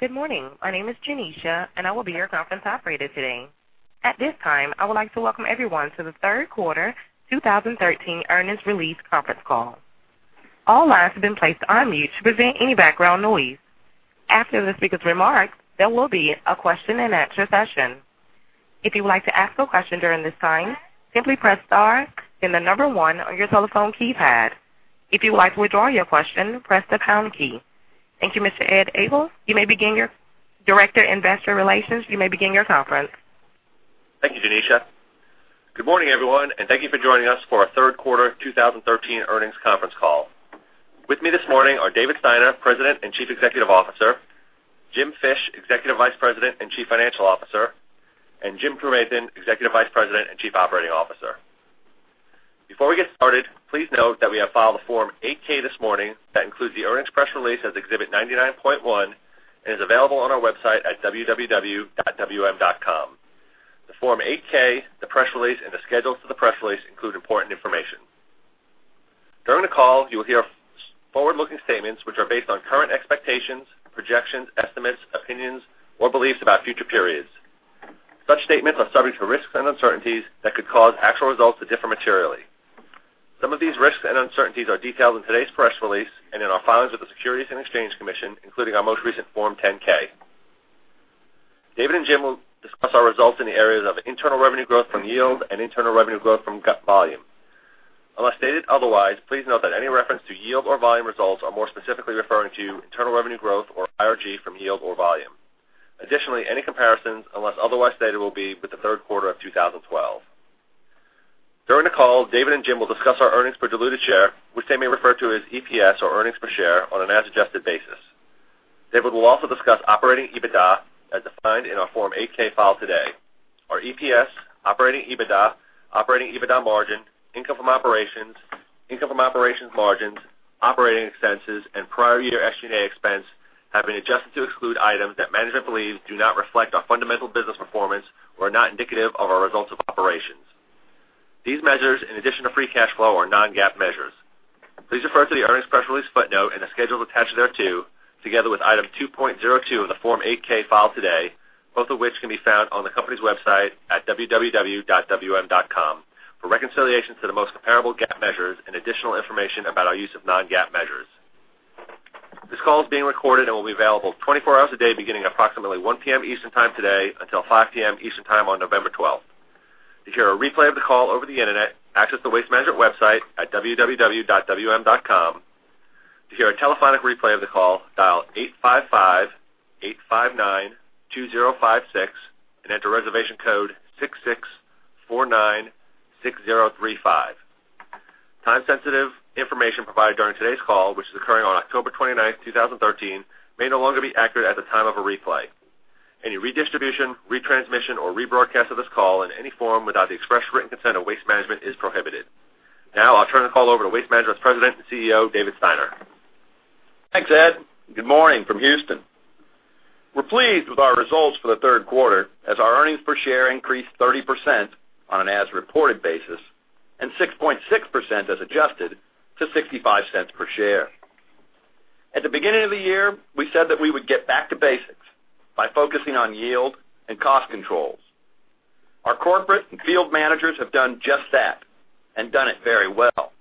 Good morning. My name is Janisha, and I will be your conference operator today. At this time, I would like to welcome everyone to the third quarter 2013 earnings release conference call. All lines have been placed on mute to prevent any background noise. After the speaker's remarks, there will be a question-and-answer session. If you would like to ask a question during this time, simply press star, then the number one on your telephone keypad. If you would like to withdraw your question, press the pound key. Thank you, Mr. Ed Egl, Director, Investor Relations, you may begin your conference. Thank you, Janisha. Good morning, everyone, and thank you for joining us for our third quarter 2013 earnings conference call. With me this morning are David Steiner, President and Chief Executive Officer, Jim Fish, Executive Vice President and Chief Financial Officer, and Jim Trevathan, Executive Vice President and Chief Operating Officer. Before we get started, please note that we have filed a Form 8-K this morning that includes the earnings press release as Exhibit 99.1 and is available on our website at www.wm.com. The Form 8-K, the press release, and the schedules to the press release include important information. During the call, you will hear forward-looking statements which are based on current expectations, projections, estimates, opinions, or beliefs about future periods. Such statements are subject to risks and uncertainties that could cause actual results to differ materially. Some of these risks and uncertainties are detailed in today's press release and in our filings with the Securities and Exchange Commission, including our most recent Form 10-K. David and Jim will discuss our results in the areas of internal revenue growth from yield and internal revenue growth from volume. Unless stated otherwise, please note that any reference to yield or volume results are more specifically referring to internal revenue growth or IRG from yield or volume. Additionally, any comparisons, unless otherwise stated, will be with the third quarter of 2012. During the call, David and Jim will discuss our earnings per diluted share, which they may refer to as EPS or earnings per share on an as-adjusted basis. David will also discuss operating EBITDA as defined in our Form 8-K filed today. Our EPS, operating EBITDA, operating EBITDA margin, income from operations, income from operations margins, operating expenses, and prior year SG&A expense have been adjusted to exclude items that management believes do not reflect our fundamental business performance or are not indicative of our results of operations. These measures, in addition to free cash flow, are non-GAAP measures. Please refer to the earnings press release footnote and the schedules attached thereto, together with Item 2.02 of the Form 8-K filed today, both of which can be found on the company's website at www.wm.com, for reconciliation to the most comparable GAAP measures and additional information about our use of non-GAAP measures. This call is being recorded and will be available 24 hours a day beginning at approximately 1:00 P.M. Eastern Time today until 5:00 P.M. Eastern Time on November 12th. To hear a replay of the call over the internet, access the Waste Management website at www.wm.com. To hear a telephonic replay of the call, dial 855-859-2056 and enter reservation code 66496035. Time-sensitive information provided during today's call, which is occurring on October 29th, 2013, may no longer be accurate at the time of a replay. Any redistribution, retransmission, or rebroadcast of this call in any form without the express written consent of Waste Management is prohibited. I'll turn the call over to Waste Management's President and CEO, David Steiner. Thanks, Ed. Good morning from Houston. We're pleased with our results for the third quarter, as our earnings per share increased 30% on an as-reported basis and 6.6% as adjusted to $0.65 per share. At the beginning of the year, we said that we would get back to basics by focusing on yield and cost controls. Our corporate and field managers have done just that and done it very well.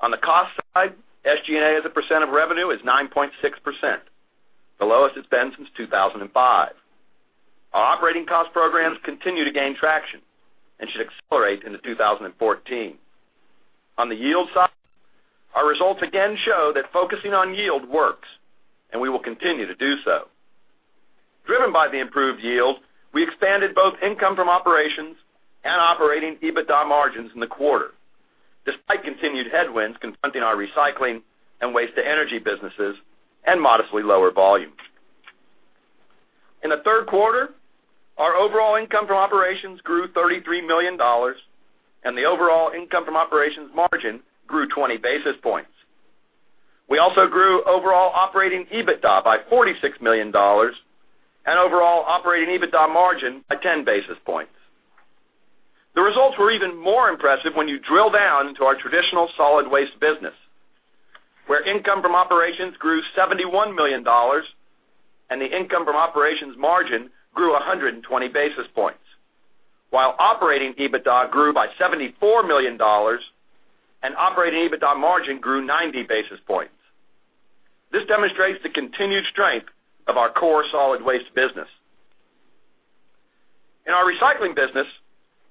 On the cost side, SG&A as a percent of revenue is 9.6%, the lowest it's been since 2005. Our operating cost programs continue to gain traction and should accelerate into 2014. On the yield side, our results again show that focusing on yield works, and we will continue to do so. Driven by the improved yield, we expanded both income from operations and operating EBITDA margins in the quarter, despite continued headwinds confronting our recycling and waste-to-energy businesses and modestly lower volume. In the third quarter, our overall income from operations grew $33 million, and the overall income from operations margin grew 20 basis points. We also grew overall operating EBITDA by $46 million and overall operating EBITDA margin by 10 basis points. The results were even more impressive when you drill down into our traditional solid waste business, where income from operations grew $71 million and the income from operations margin grew 120 basis points, while operating EBITDA grew by $74 million and operating EBITDA margin grew 90 basis points. This demonstrates the continued strength of our core solid waste business. In our recycling business,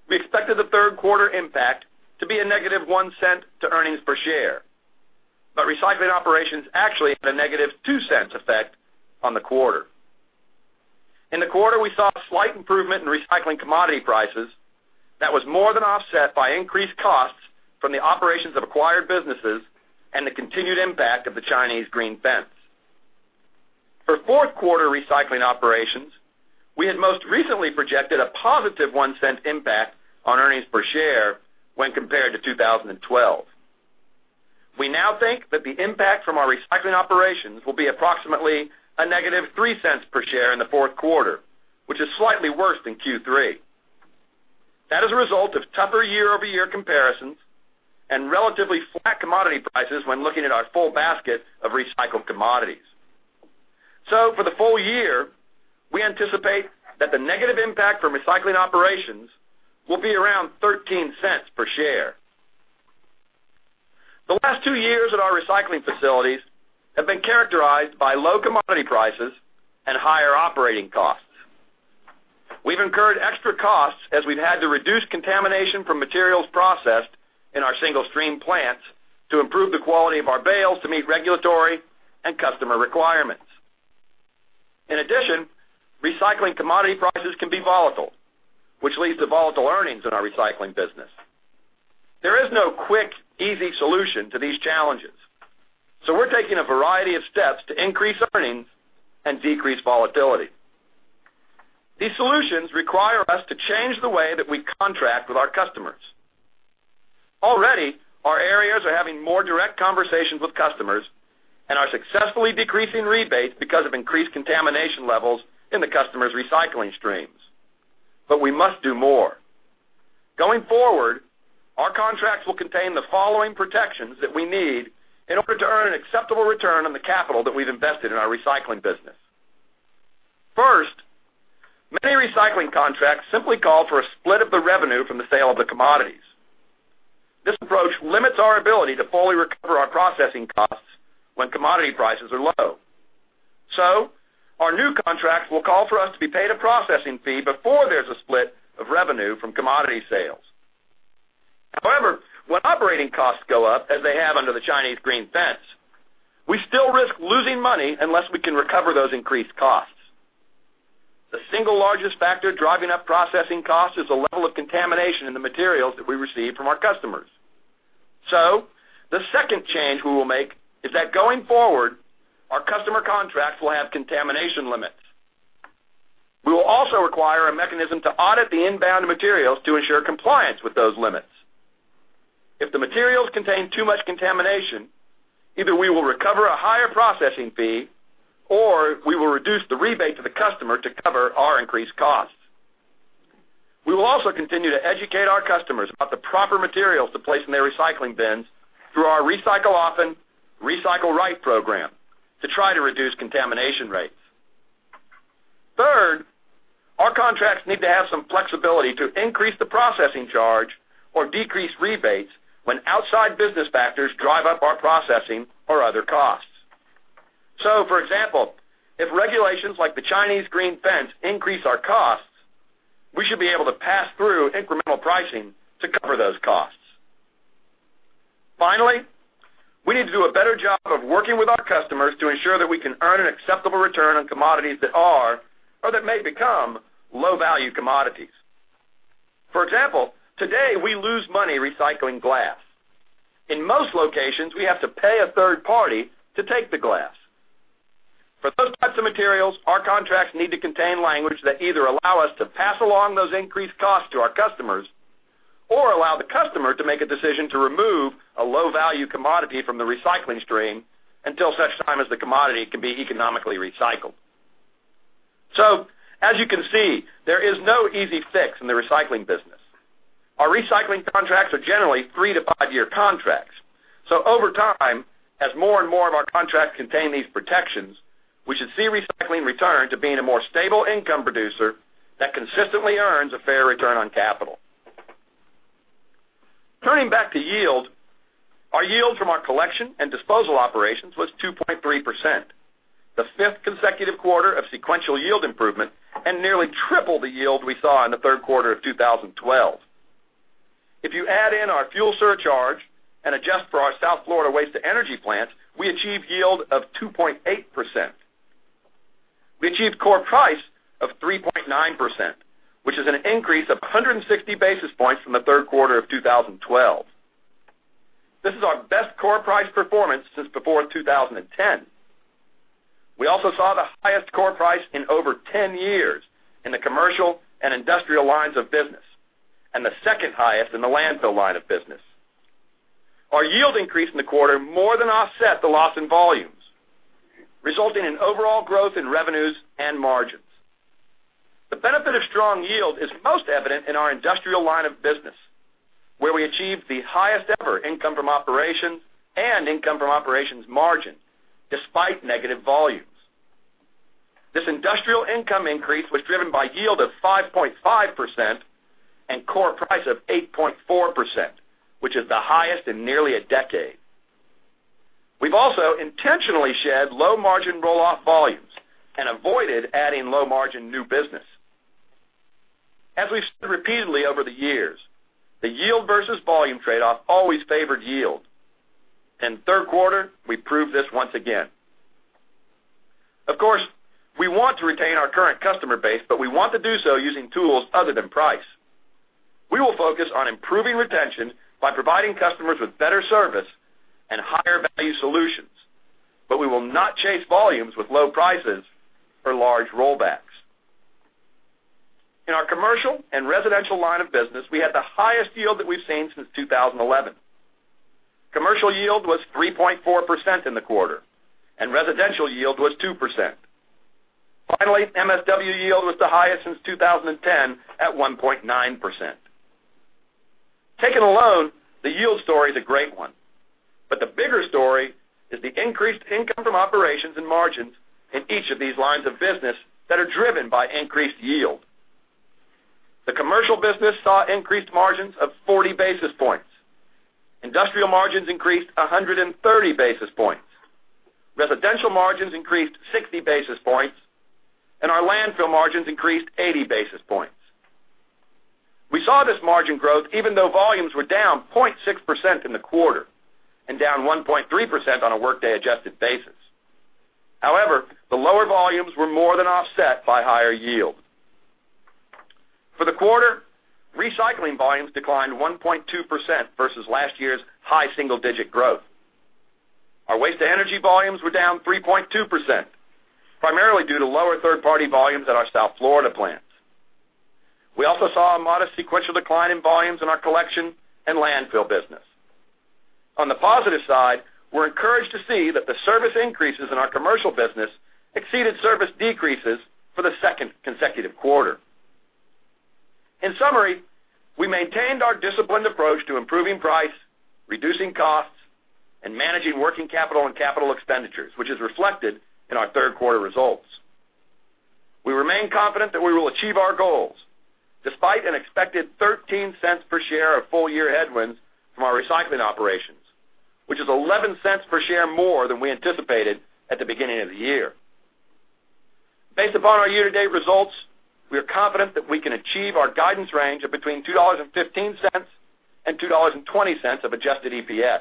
we expected the third-quarter impact to be a negative $0.01 to earnings per share. Recycling operations actually had a negative $0.02 effect on the quarter. In the quarter, we saw a slight improvement in recycling commodity prices that was more than offset by increased costs from the operations of acquired businesses and the continued impact of the Chinese Green Fence. For fourth-quarter recycling operations, we had most recently projected a positive $0.01 impact on earnings per share when compared to 2012. We now think that the impact from our recycling operations will be approximately a negative $0.03 per share in the fourth quarter, which is slightly worse than Q3. That is a result of tougher year-over-year comparisons and relatively flat commodity prices when looking at our full basket of recycled commodities. For the full year, we anticipate that the negative impact from recycling operations will be around $0.13 per share. The last two years at our recycling facilities have been characterized by low commodity prices and higher operating costs. We've incurred extra costs as we've had to reduce contamination from materials processed in our single-stream plants to improve the quality of our bales to meet regulatory and customer requirements. In addition, recycling commodity prices can be volatile, which leads to volatile earnings in our recycling business. There is no quick, easy solution to these challenges, we're taking a variety of steps to increase earnings and decrease volatility. These solutions require us to change the way that we contract with our customers. Already, our areas are having more direct conversations with customers and are successfully decreasing rebates because of increased contamination levels in the customer's recycling streams. We must do more. Going forward, our contracts will contain the following protections that we need in order to earn an acceptable return on the capital that we've invested in our recycling business. First, many recycling contracts simply call for a split of the revenue from the sale of the commodities. This approach limits our ability to fully recover our processing costs when commodity prices are low. Our new contracts will call for us to be paid a processing fee before there's a split of revenue from commodity sales. However, when operating costs go up, as they have under the Chinese Green Fence, we still risk losing money unless we can recover those increased costs. The single largest factor driving up processing costs is the level of contamination in the materials that we receive from our customers. The second change we will make is that going forward, our customer contracts will have contamination limits. We will also require a mechanism to audit the inbound materials to ensure compliance with those limits. If the materials contain too much contamination, either we will recover a higher processing fee, or we will reduce the rebate to the customer to cover our increased costs. We will also continue to educate our customers about the proper materials to place in their recycling bins through our Recycle Often. Recycle Right. program to try to reduce contamination rates. Third, our contracts need to have some flexibility to increase the processing charge or decrease rebates when outside business factors drive up our processing or other costs. For example, if regulations like the Chinese Green Fence increase our costs, we should be able to pass through incremental pricing to cover those costs. Finally, we need to do a better job of working with our customers to ensure that we can earn an acceptable return on commodities that are, or that may become, low-value commodities. For example, today, we lose money recycling glass. In most locations, we have to pay a third party to take the glass. For those types of materials, our contracts need to contain language that either allow us to pass along those increased costs to our customers or allow the customer to make a decision to remove a low-value commodity from the recycling stream until such time as the commodity can be economically recycled. As you can see, there is no easy fix in the recycling business. Our recycling contracts are generally 3- to 5-year contracts. Over time, as more and more of our contracts contain these protections, we should see recycling return to being a more stable income producer that consistently earns a fair return on capital. Turning back to yield, our yield from our collection and disposal operations was 2.3%, the fifth consecutive quarter of sequential yield improvement and nearly triple the yield we saw in the third quarter of 2012. If you add in our fuel surcharge and adjust for our South Florida waste-to-energy plant, we achieved yield of 2.8%. We achieved core price of 3.9%, which is an increase of 160 basis points from the third quarter of 2012. This is our best core price performance since before 2010. We also saw the highest core price in over 10 years in the commercial and industrial lines of business, and the second highest in the landfill line of business. Our yield increase in the quarter more than offset the loss in volumes, resulting in overall growth in revenues and margins. The benefit of strong yield is most evident in our industrial line of business, where we achieved the highest ever income from operations and income from operations margin despite negative volumes. This industrial income increase was driven by yield of 5.5% and core price of 8.4%, which is the highest in nearly a decade. We've also intentionally shed low-margin roll-off volumes and avoided adding low-margin new business. As we've said repeatedly over the years, the yield versus volume trade-off always favored yield. In the third quarter, we proved this once again. Of course, we want to retain our current customer base, but we want to do so using tools other than price. We will focus on improving retention by providing customers with better service and higher-value solutions, we will not chase volumes with low prices or large rollbacks. In our commercial and residential line of business, we had the highest yield that we've seen since 2011. Commercial yield was 3.4% in the quarter, and residential yield was 2%. Finally, MSW yield was the highest since 2010 at 1.9%. Taken alone, the yield story is a great one. The bigger story is the increased income from operations and margins in each of these lines of business that are driven by increased yield. The commercial business saw increased margins of 40 basis points. Industrial margins increased 130 basis points. Residential margins increased 60 basis points, and our landfill margins increased 80 basis points. We saw this margin growth even though volumes were down 0.6% in the quarter and down 1.3% on a workday-adjusted basis. However, the lower volumes were more than offset by higher yield. For the quarter, recycling volumes declined 1.2% versus last year's high single-digit growth. Our waste-to-energy volumes were down 3.2%, primarily due to lower third-party volumes at our South Florida plants. We also saw a modest sequential decline in volumes in our collection and landfill business. On the positive side, we're encouraged to see that the service increases in our commercial business exceeded service decreases for the second consecutive quarter. In summary, we maintained our disciplined approach to improving price, reducing costs, and managing working capital and capital expenditures, which is reflected in our third-quarter results. We remain confident that we will achieve our goals despite an expected $0.13 per share of full-year headwinds from our recycling operations, which is $0.11 per share more than we anticipated at the beginning of the year. Based upon our year-to-date results, we are confident that we can achieve our guidance range of between $2.15 and $2.20 of adjusted EPS.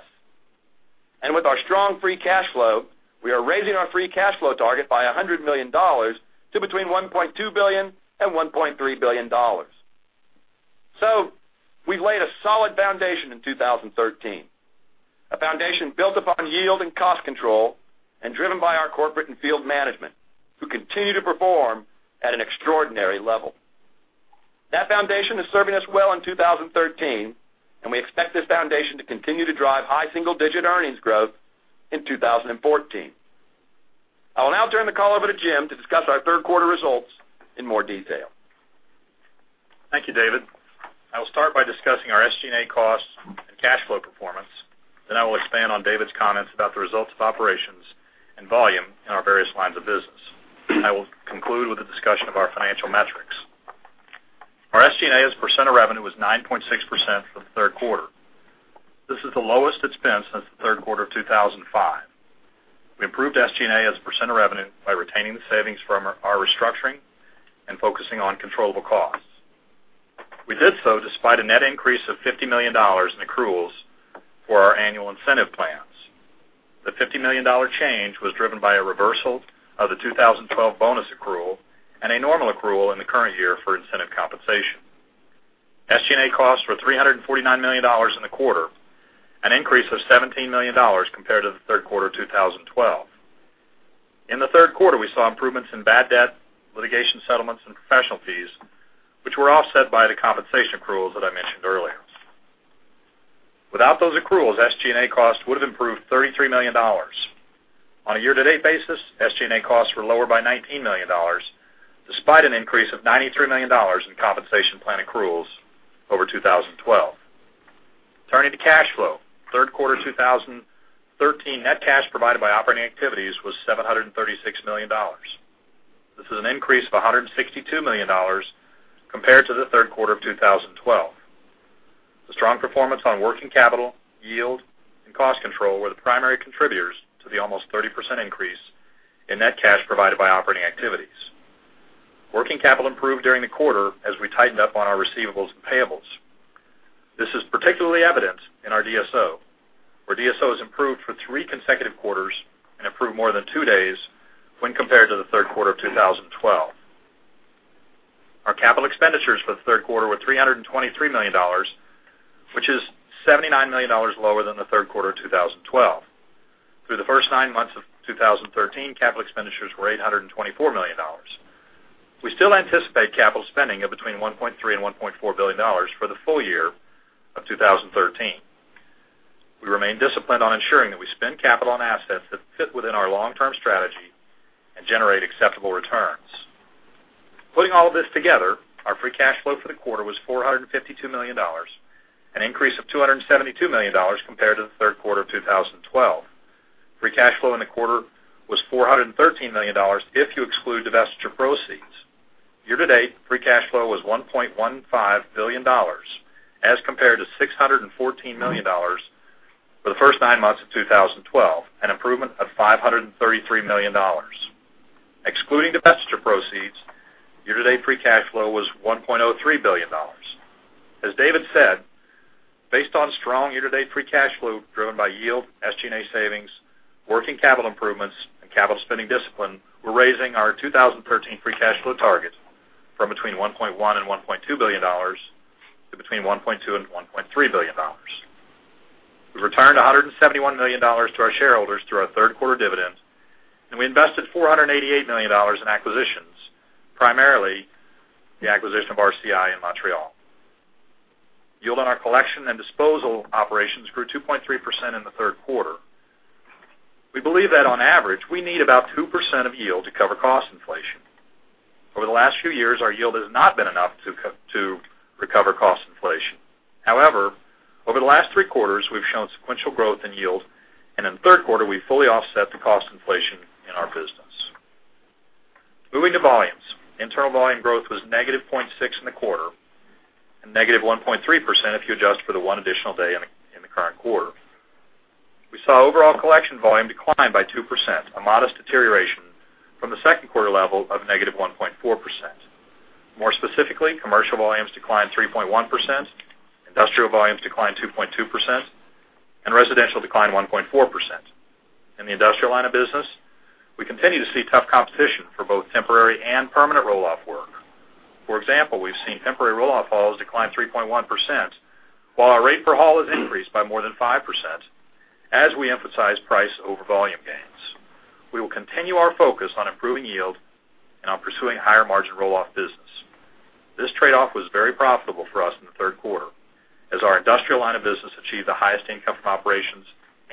With our strong free cash flow, we are raising our free cash flow target by $100 million to between $1.2 billion and $1.3 billion. We've laid a solid foundation in 2013, a foundation built upon yield and cost control and driven by our corporate and field management, who continue to perform at an extraordinary level. That foundation is serving us well in 2013, and we expect this foundation to continue to drive high single-digit earnings growth in 2014. I will now turn the call over to Jim to discuss our third quarter results in more detail. Thank you, David. I will start by discussing our SG&A costs and cash flow performance. I will expand on David's comments about the results of operations and volume in our various lines of business. I will conclude with a discussion of our financial metrics. Our SG&A as a percent of revenue was 9.6% for the third quarter. This is the lowest it's been since the third quarter of 2005. We improved SG&A as a percent of revenue by retaining the savings from our restructuring and focusing on controllable costs. We did so despite a net increase of $50 million in accruals for our annual incentive plans. The $50 million change was driven by a reversal of the 2012 bonus accrual and a normal accrual in the current year for incentive compensation. SG&A costs were $349 million in the quarter, an increase of $17 million compared to the third quarter of 2012. In the third quarter, we saw improvements in bad debt, litigation settlements, and professional fees, which were offset by the compensation accruals that I mentioned earlier. Without those accruals, SG&A costs would have improved $33 million. On a year-to-date basis, SG&A costs were lower by $19 million, despite an increase of $93 million in compensation plan accruals over 2012. Turning to cash flow, third quarter 2013, net cash provided by operating activities was $736 million. This is an increase of $162 million compared to the third quarter of 2012. The strong performance on working capital, yield, and cost control were the primary contributors to the almost 30% increase in net cash provided by operating activities. Working capital improved during the quarter as we tightened up on our receivables and payables. This is particularly evident in our DSO, where DSO has improved for three consecutive quarters and improved more than two days when compared to the third quarter of 2012. Our capital expenditures for the third quarter were $323 million, which is $79 million lower than the third quarter of 2012. Through the first nine months of 2013, capital expenditures were $824 million. We still anticipate capital spending of between $1.3 billion and $1.4 billion for the full year of 2013. We remain disciplined on ensuring that we spend capital on assets that fit within our long-term strategy and generate acceptable returns. Putting all this together, our free cash flow for the quarter was $452 million, an increase of $272 million compared to the third quarter of 2012. Free cash flow in the quarter was $413 million if you exclude divestiture proceeds. Year-to-date, free cash flow was $1.15 billion as compared to $614 million for the first nine months of 2012, an improvement of $533 million. Excluding divestiture proceeds, year-to-date free cash flow was $1.03 billion. As David said, based on strong year-to-date free cash flow driven by yield, SG&A savings, working capital improvements, and capital spending discipline, we're raising our 2013 free cash flow target from between $1.1 billion and $1.2 billion to between $1.2 billion and $1.3 billion. We returned $171 million to our shareholders through our third-quarter dividend. We invested $488 million in acquisitions, primarily the acquisition of RCI in Montreal. Yield on our collection and disposal operations grew 2.3% in the third quarter. We believe that on average, we need about 2% of yield to cover cost inflation. Over the last few years, our yield has not been enough to recover cost inflation. Over the last three quarters, we've shown sequential growth in yield, and in the third quarter, we fully offset the cost inflation in our business. Moving to volumes. Internal volume growth was -0.6% in the quarter and -1.3% if you adjust for the one additional day in the current quarter. We saw overall collection volume decline by 2%, a modest deterioration from the second quarter level of -1.4%. More specifically, commercial volumes declined 3.1%, industrial volumes declined 2.2%, and residential declined 1.4%. In the industrial line of business, we continue to see tough competition for both temporary and permanent roll-off work. For example, we've seen temporary roll-off hauls decline 3.1%, while our rate per haul has increased by more than 5% as we emphasize price over volume gains. We will continue our focus on improving yield and on pursuing higher margin roll-off business. This trade-off was very profitable for us in the third quarter, as our industrial line of business achieved the highest income from operations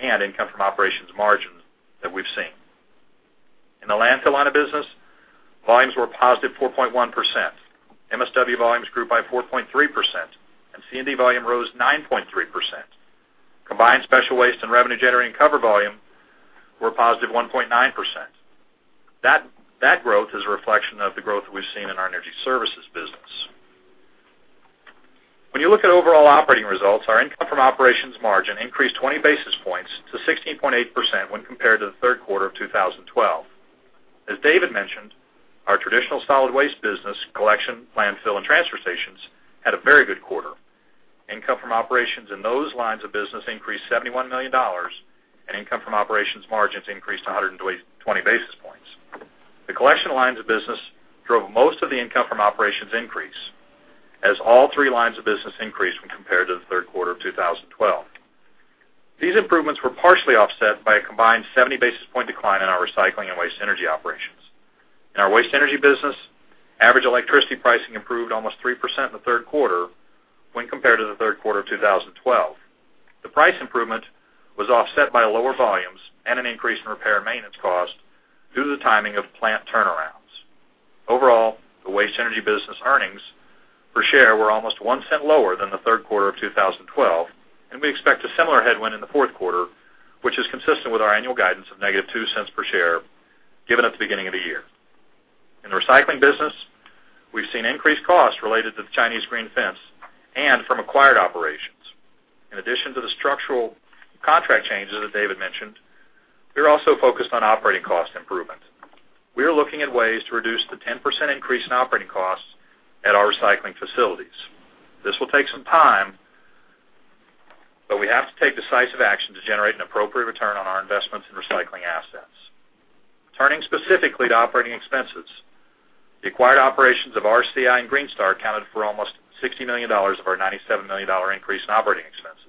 and income from operations margins that we've seen. In the landfill line of business, volumes were a positive 4.1%. MSW volumes grew by 4.3%, and C&D volume rose 9.3%. Combined special waste and revenue-generating cover volume were a positive 1.9%. That growth is a reflection of the growth we've seen in our energy services business. When you look at overall operating results, our income from operations margin increased 20 basis points to 16.8% when compared to the third quarter of 2012. As David mentioned, our traditional solid waste business collection, landfill, and transfer stations, had a very good quarter. Income from operations in those lines of business increased $71 million, and income from operations margins increased 120 basis points. The collection lines of business drove most of the income from operations increase as all three lines of business increased when compared to the third quarter of 2012. These improvements were partially offset by a combined 70 basis point decline in our recycling and waste energy operations. In our waste energy business, average electricity pricing improved almost 3% in the third quarter when compared to the third quarter of 2012. The price improvement was offset by lower volumes and an increase in repair and maintenance cost due to the timing of plant turnarounds. Overall, the waste energy business earnings per share were almost $0.01 lower than the third quarter of 2012, and we expect a similar headwind in the fourth quarter, which is consistent with our annual guidance of negative $0.02 per share given at the beginning of the year. In the recycling business, we've seen increased costs related to the Chinese Green Fence and from acquired operations. In addition to the structural contract changes that David mentioned, we are also focused on operating cost improvements. We are looking at ways to reduce the 10% increase in operating costs at our recycling facilities. This will take some time, we have to take decisive action to generate an appropriate return on our investments in recycling assets. Turning specifically to operating expenses. The acquired operations of RCI and Greenstar accounted for almost $60 million of our $97 million increase in operating expenses.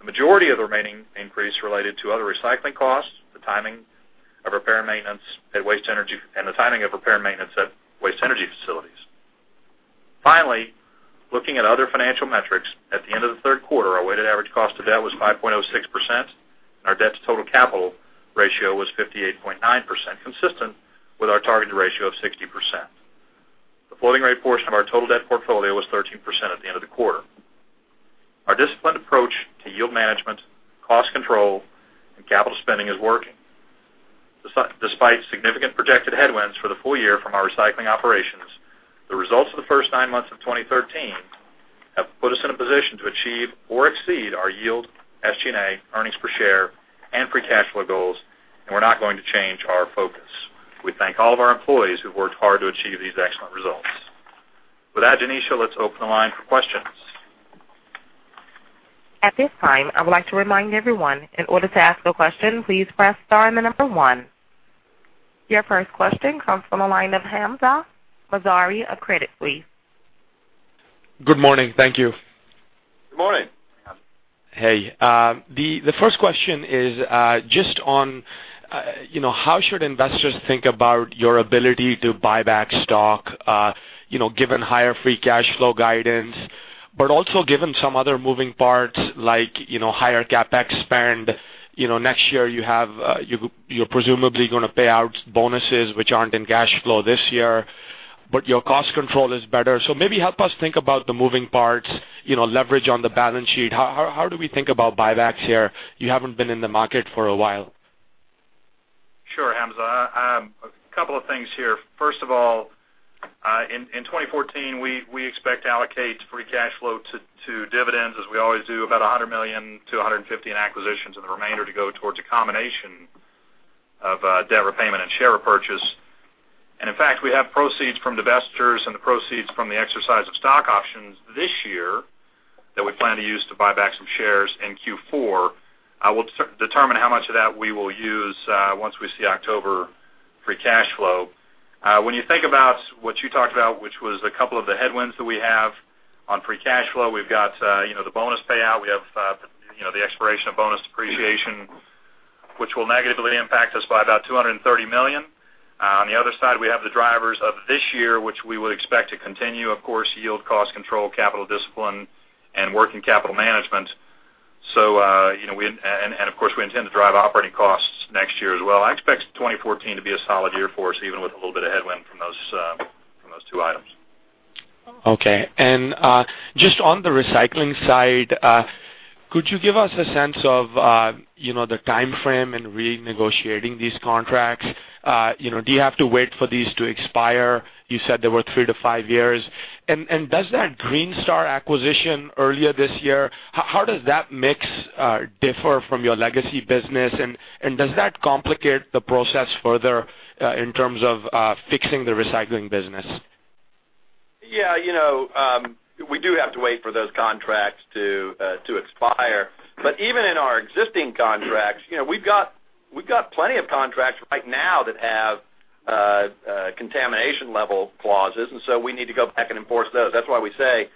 The majority of the remaining increase related to other recycling costs, the timing of repair and maintenance at waste energy, and the timing of repair and maintenance at waste energy facilities. Finally, looking at other financial metrics, at the end of the third quarter, our weighted average cost of debt was 5.06%, and our debt to total capital ratio was 58.9%, consistent with our target ratio of 60%. The floating rate portion of our total debt portfolio was 13% at the end of the quarter. Our disciplined approach to yield management, cost control, and capital spending is working. Despite significant projected headwinds for the full year from our recycling operations, the results of the first nine months of 2013 have put us in a position to achieve or exceed our yield, SG&A, earnings per share, and free cash flow goals. We're not going to change our focus. We thank all of our employees who worked hard to achieve these excellent results. With that, Janisha, let's open the line for questions. At this time, I would like to remind everyone, in order to ask a question, please press star then the number one. Your first question comes from the line of Hamzah Mazari of Credit Suisse. Good morning. Thank you. Good morning. Hey. The first question is just on how should investors think about your ability to buy back stock given higher free cash flow guidance, but also given some other moving parts like higher CapEx spend. Next year, you're presumably going to pay out bonuses which aren't in cash flow this year, but your cost control is better. Maybe help us think about the moving parts, leverage on the balance sheet. How do we think about buybacks here? You haven't been in the market for a while. Sure, Hamzah. A couple of things here. First of all, in 2014, we expect to allocate free cash flow to dividends as we always do, about $100 million-$150 million in acquisitions, and the remainder to go towards a combination of debt repayment and share repurchase. In fact, we have proceeds from divestitures and the proceeds from the exercise of stock options this year that we plan to use to buy back some shares in Q4. We'll determine how much of that we will use once we see October free cash flow. When you think about what you talked about, which was a couple of the headwinds that we have on free cash flow, we've got the bonus payout. We have the expiration of bonus depreciation, which will negatively impact us by about $230 million. On the other side, we have the drivers of this year, which we would expect to continue, of course, yield cost control, capital discipline, and working capital management. Of course, we intend to drive operating costs next year as well. I expect 2014 to be a solid year for us, even with a little bit of headwind from those two items. Okay. Just on the recycling side, could you give us a sense of the timeframe in renegotiating these contracts? Do you have to wait for these to expire? You said they were three to five years. Does that Greenstar acquisition earlier this year, how does that mix differ from your legacy business? Does that complicate the process further, in terms of fixing the recycling business? Yeah. We do have to wait for those contracts to expire. Even in our existing contracts, we've got plenty of contracts right now that have contamination level clauses, so we need to go back and enforce those. That's why we say,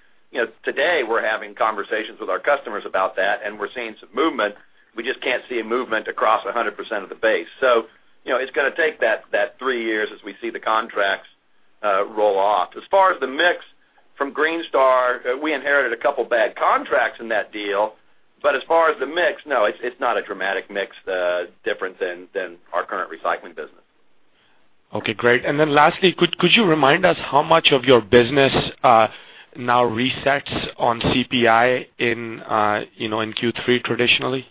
today, we're having conversations with our customers about that, we're seeing some movement. We just can't see a movement across 100% of the base. It's going to take that three years as we see the contracts roll off. As far as the mix from Greenstar, we inherited a couple of bad contracts in that deal. As far as the mix, no, it's not a dramatic mix different than our current recycling business. Okay, great. Lastly, could you remind us how much of your business now resets on CPI in Q3 traditionally?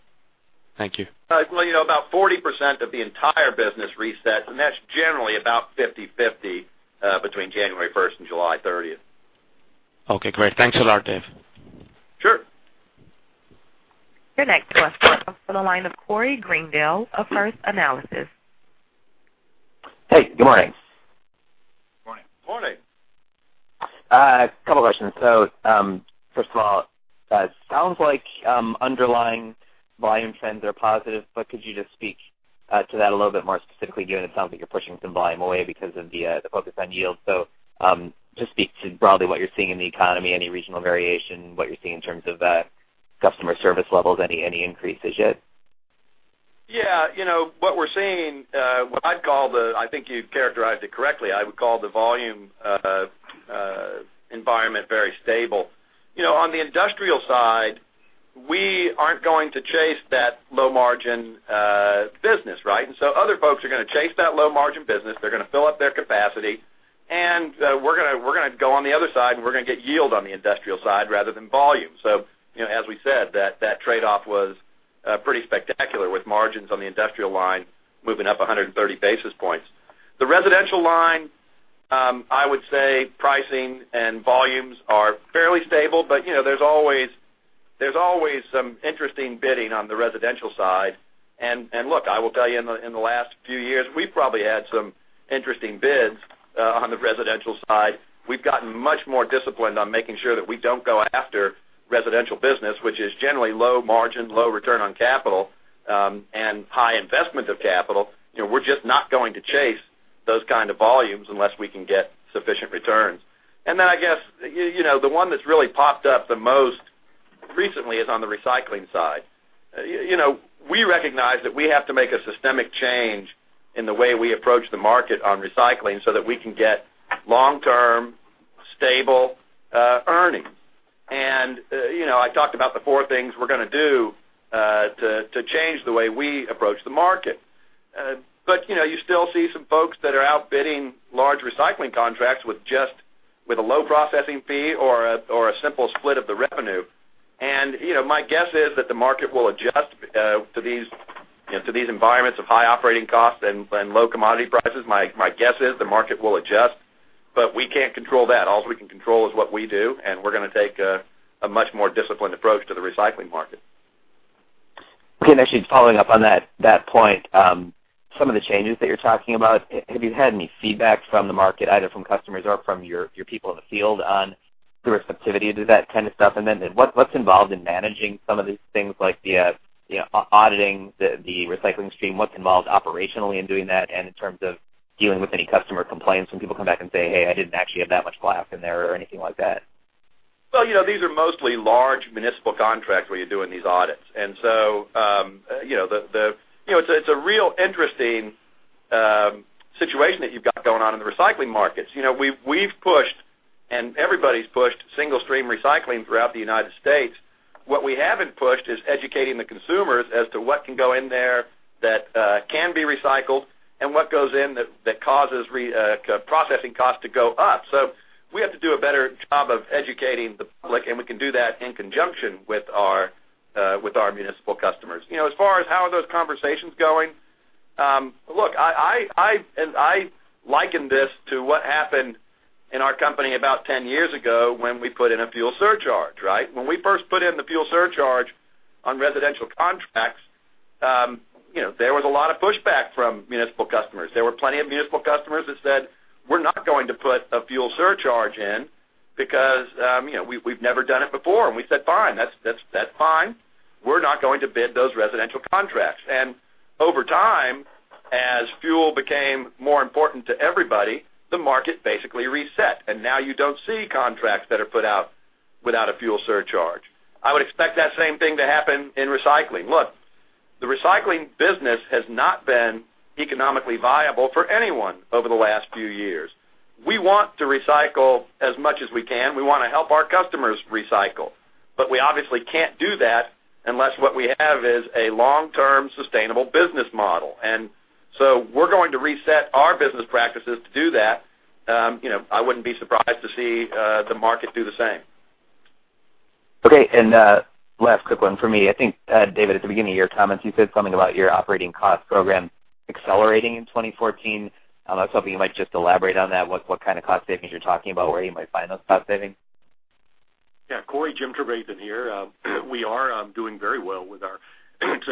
Thank you. Well, about 40% of the entire business resets, and that's generally about 50/50 between January 1st and July 30th. Okay, great. Thanks a lot, Dave. Sure. Your next question comes from the line of Corey Greendale of First Analysis. Hey, good morning. Morning. Morning. A couple questions. First of all, it sounds like underlying volume trends are positive, but could you just speak to that a little bit more specifically, given it sounds like you're pushing some volume away because of the focus on yield. Just speak to broadly what you're seeing in the economy, any regional variation, what you're seeing in terms of customer service levels, any increases yet? Yeah. What we're seeing, I think you characterized it correctly. I would call the volume environment very stable. On the industrial side, we aren't going to chase that low margin business, right? Other folks are going to chase that low margin business. They're going to fill up their capacity, and we're going to go on the other side, and we're going to get yield on the industrial side rather than volume. As we said that trade-off was pretty spectacular with margins on the industrial line moving up 130 basis points. The residential line, I would say pricing and volumes are fairly stable, but there's always some interesting bidding on the residential side. Look, I will tell you in the last few years, we've probably had some interesting bids on the residential side. We've gotten much more disciplined on making sure that we don't go after residential business, which is generally low margin, low return on capital, and high investment of capital. We're just not going to chase those kind of volumes unless we can get sufficient returns. Then I guess, the one that's really popped up the most recently is on the recycling side. We recognize that we have to make a systemic change in the way we approach the market on recycling so that we can get long-term, stable earnings. I talked about the four things we're going to do to change the way we approach the market. You still see some folks that are out bidding large recycling contracts with a low processing fee or a simple split of the revenue. My guess is that the market will adjust to these environments of high operating costs and low commodity prices. My guess is the market will adjust, but we can't control that. All we can control is what we do, and we're going to take a much more disciplined approach to the recycling market. Actually following up on that point, some of the changes that you're talking about, have you had any feedback from the market, either from customers or from your people in the field on the receptivity to that kind of stuff? Then what's involved in managing some of these things like the auditing the recycling stream? What's involved operationally in doing that and in terms of dealing with any customer complaints when people come back and say, "Hey, I didn't actually have that much glass in there," or anything like that? Well, these are mostly large municipal contracts where you're doing these audits. It's a real interesting situation that you've got going on in the recycling markets. We've pushed, and everybody's pushed single stream recycling throughout the U.S. What we haven't pushed is educating the consumers as to what can go in there that can be recycled and what goes in that causes processing costs to go up. We have to do a better job of educating the public, and we can do that in conjunction with our municipal customers. As far as how are those conversations going, look, I liken this to what happened in our company about 10 years ago when we put in a fuel surcharge, right? When we first put in the fuel surcharge on residential contracts, there was a lot of pushback from municipal customers. There were plenty of municipal customers that said, "We're not going to put a fuel surcharge in because we've never done it before." We said, "Fine. That's fine." We're not going to bid those residential contracts. Over time, as fuel became more important to everybody, the market basically reset, and now you don't see contracts that are put out without a fuel surcharge. I would expect that same thing to happen in recycling. Look, the recycling business has not been economically viable for anyone over the last few years. We want to recycle as much as we can. We want to help our customers recycle, but we obviously can't do that unless what we have is a long-term sustainable business model. We're going to reset our business practices to do that. I wouldn't be surprised to see the market do the same. Okay, last quick one from me. I think, David, at the beginning of your comments, you said something about your operating cost program accelerating in 2014. I was hoping you might just elaborate on that. What kind of cost savings you're talking about, where you might find those cost savings? Yeah, Corey, Jim Trevathan here. We are doing very well with our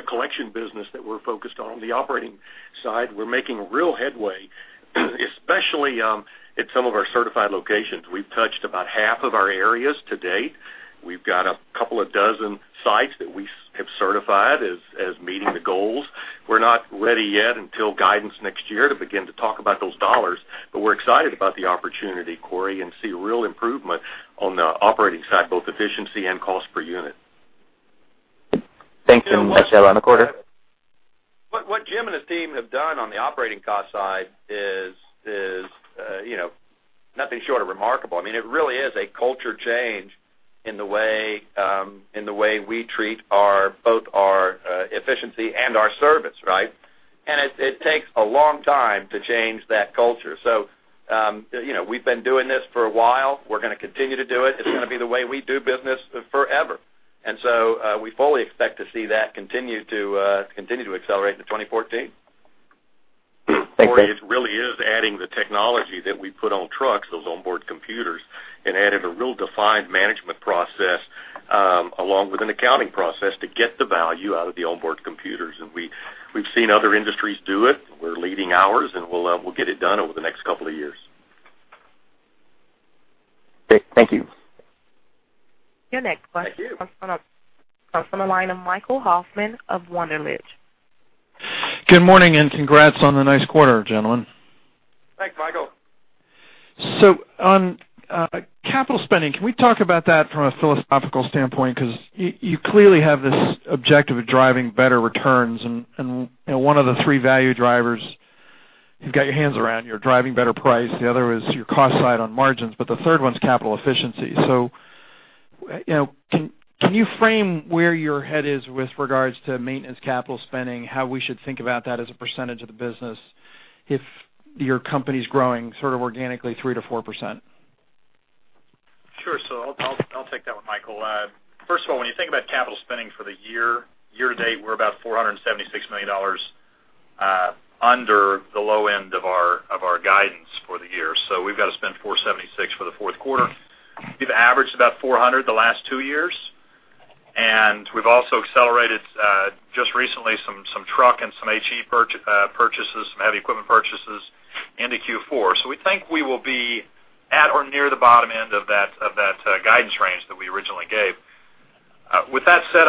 collection business that we're focused on the operating side. We're making real headway, especially at some of our certified locations. We've touched about half of our areas to date. We've got a couple of dozen sites that we have certified as meeting the goals. We're not ready yet until guidance next year to begin to talk about those dollars, but we're excited about the opportunity, Corey, and see real improvement on the operating side, both efficiency and cost per unit. Thanks, Jim. What Jim and his team have done on the operating cost side is nothing short of remarkable. It really is a culture change in the way we treat both our efficiency and our service, right? It takes a long time to change that culture. We've been doing this for a while. We're going to continue to do it. It's going to be the way we do business forever. We fully expect to see that continue to accelerate into 2014. Thanks, David. Corey, it really is adding the technology that we put on trucks, those onboard computers, and adding a real defined management process, along with an accounting process to get the value out of the onboard computers. We've seen other industries do it. We're leading ours, and we'll get it done over the next couple of years. Thank you. Your next question comes from the line of Michael Hoffman of Wunderlich Securities. Good morning, congrats on the nice quarter, gentlemen. Thanks, Michael. On capital spending, can we talk about that from a philosophical standpoint? You clearly have this objective of driving better returns and one of the three value drivers you've got your hands around, you're driving better price. The other is your cost side on margins, but the third one's capital efficiency. Can you frame where your head is with regards to maintenance capital spending, how we should think about that as a percentage of the business if your company's growing sort of organically 3%-4%? Sure. I'll take that one, Michael. First of all, when you think about capital spending for the year to date, we're about $476 million under the low end of our guidance for the year. We've got to spend $476 for the fourth quarter. We've averaged about $400 the last two years, and we've also accelerated, just recently, some truck and some HE purchases, some heavy equipment purchases into Q4. We think we will be at or near the bottom end of that guidance range that we originally gave. With that said,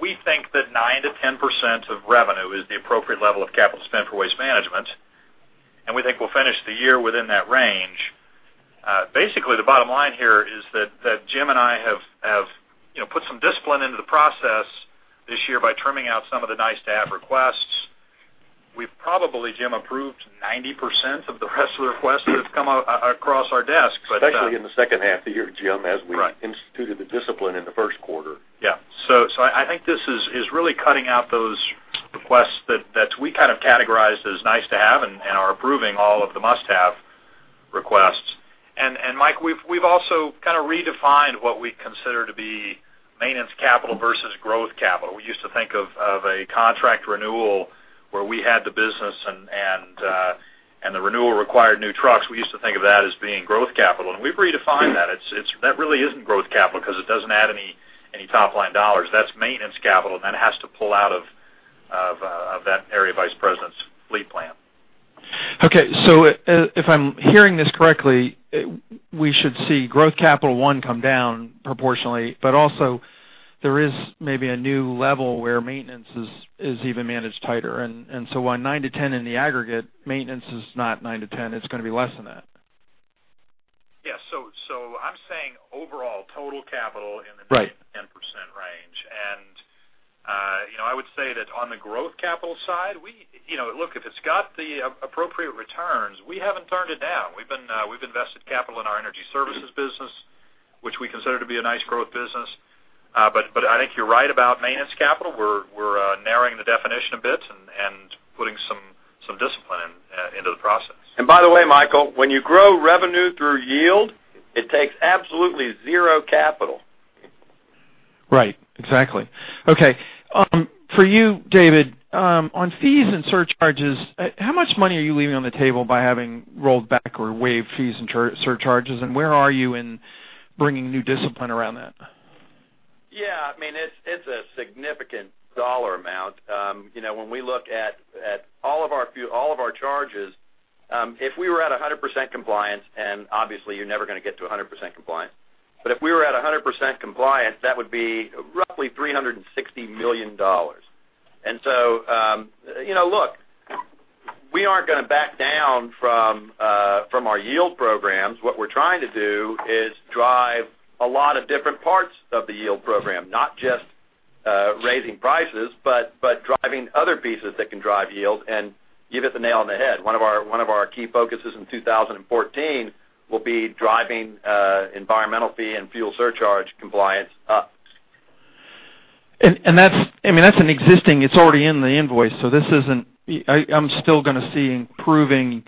we think that 9%-10% of revenue is the appropriate level of capital spend for Waste Management, and we think we'll finish the year within that range. Basically, the bottom line here is that Jim and I have put some discipline into the process this year by trimming out some of the nice-to-have requests. We've probably, Jim, approved 90% of the rest of the requests that have come across our desk. Especially in the second half of the year, Jim, as we instituted the discipline in the first quarter. Yeah. I think this is really cutting out those requests that we kind of categorized as nice to have and are approving all of the must-have requests. Mike, we've also kind of redefined what we consider to be maintenance capital versus growth capital. We used to think of a contract renewal where we had the business and the renewal required new trucks. We used to think of that as being growth capital, and we've redefined that. That really isn't growth capital because it doesn't add any top-line dollars. That's maintenance capital, and that has to pull out of that area vice president's fleet plan. Okay. If I'm hearing this correctly, we should see growth capital, one, come down proportionally, also there is maybe a new level where maintenance is even managed tighter. While 9%-10% in the aggregate, maintenance is not 9%-10%, it's going to be less than that. I am saying overall, total capital in the 9%-10% range. I would say that on the growth capital side, look, if it has the appropriate returns, we have not turned it down. We have invested capital in our energy services business, which we consider to be a nice growth business. I think you are right about maintenance capital. We are narrowing the definition a bit and putting some discipline into the process. By the way, Michael, when you grow revenue through yield, it takes absolutely zero capital. Right. Exactly. Okay. For you, David, on fees and surcharges, how much money are you leaving on the table by having rolled back or waived fees and surcharges, and where are you in bringing new discipline around that? It is a significant dollar amount. When we look at all of our charges. If we were at 100% compliance, obviously you're never going to get to 100% compliance, but if we were at 100% compliance, that would be roughly $360 million. Look, we aren't going to back down from our yield programs. What we're trying to do is drive a lot of different parts of the yield program, not just raising prices, but driving other pieces that can drive yield and you hit the nail on the head. One of our key focuses in 2014 will be driving environmental fee and fuel surcharge compliance up. That's an existing, it's already in the invoice. I'm still going to see improving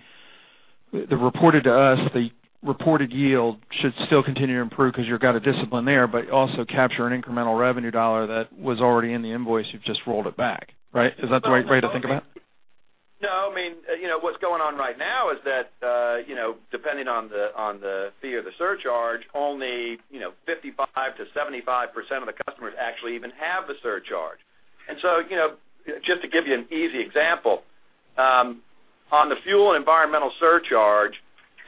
the reported to us, the reported yield should still continue to improve because you've got a discipline there, but also capture an incremental revenue dollar that was already in the invoice, you've just rolled it back, right? Is that the right way to think about it? No, what's going on right now is that, depending on the fee of the surcharge, only 55%-75% of the customers actually even have the surcharge. Just to give you an easy example, on the fuel and environmental surcharge,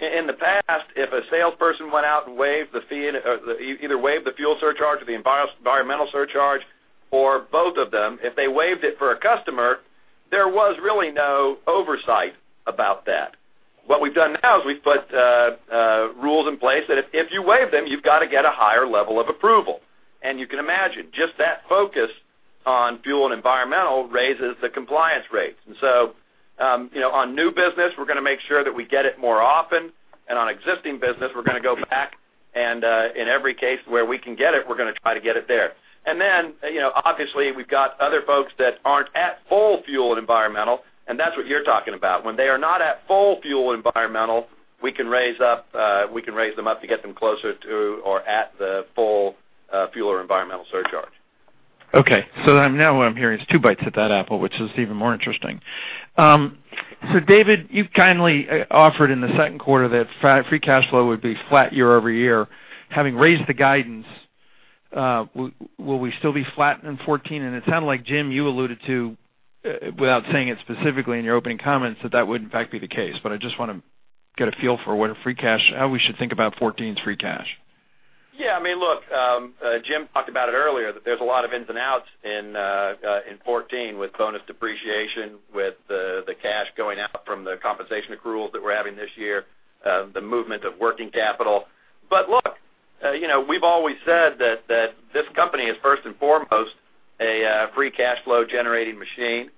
in the past, if a salesperson went out and either waived the fuel surcharge or the environmental surcharge, or both of them, if they waived it for a customer, there was really no oversight about that. What we've done now is we've put rules in place that if you waive them, you've got to get a higher level of approval. You can imagine just that focus on fuel and environmental raises the compliance rates. On new business, we're going to make sure that we get it more often, and on existing business, we're going to go back and, in every case where we can get it, we're going to try to get it there. Obviously, we've got other folks that aren't at full fuel and environmental, and that's what you're talking about. When they are not at full fuel and environmental, we can raise them up to get them closer to or at the full fuel or environmental surcharge. Now what I'm hearing is two bites at that apple, which is even more interesting. David, you've kindly offered in the second quarter that free cash flow would be flat year-over-year. Having raised the guidance, will we still be flat in 2014? It sounded like, Jim, you alluded to, without saying it specifically in your opening comments, that would in fact be the case. I just want to get a feel for how we should think about 2014's free cash. Jim talked about it earlier, that there's a lot of ins and outs in 2014 with bonus depreciation, with the cash going out from the compensation accruals that we're having this year, the movement of working capital. Look, we've always said that this company is first and foremost a free cash flow generating machine.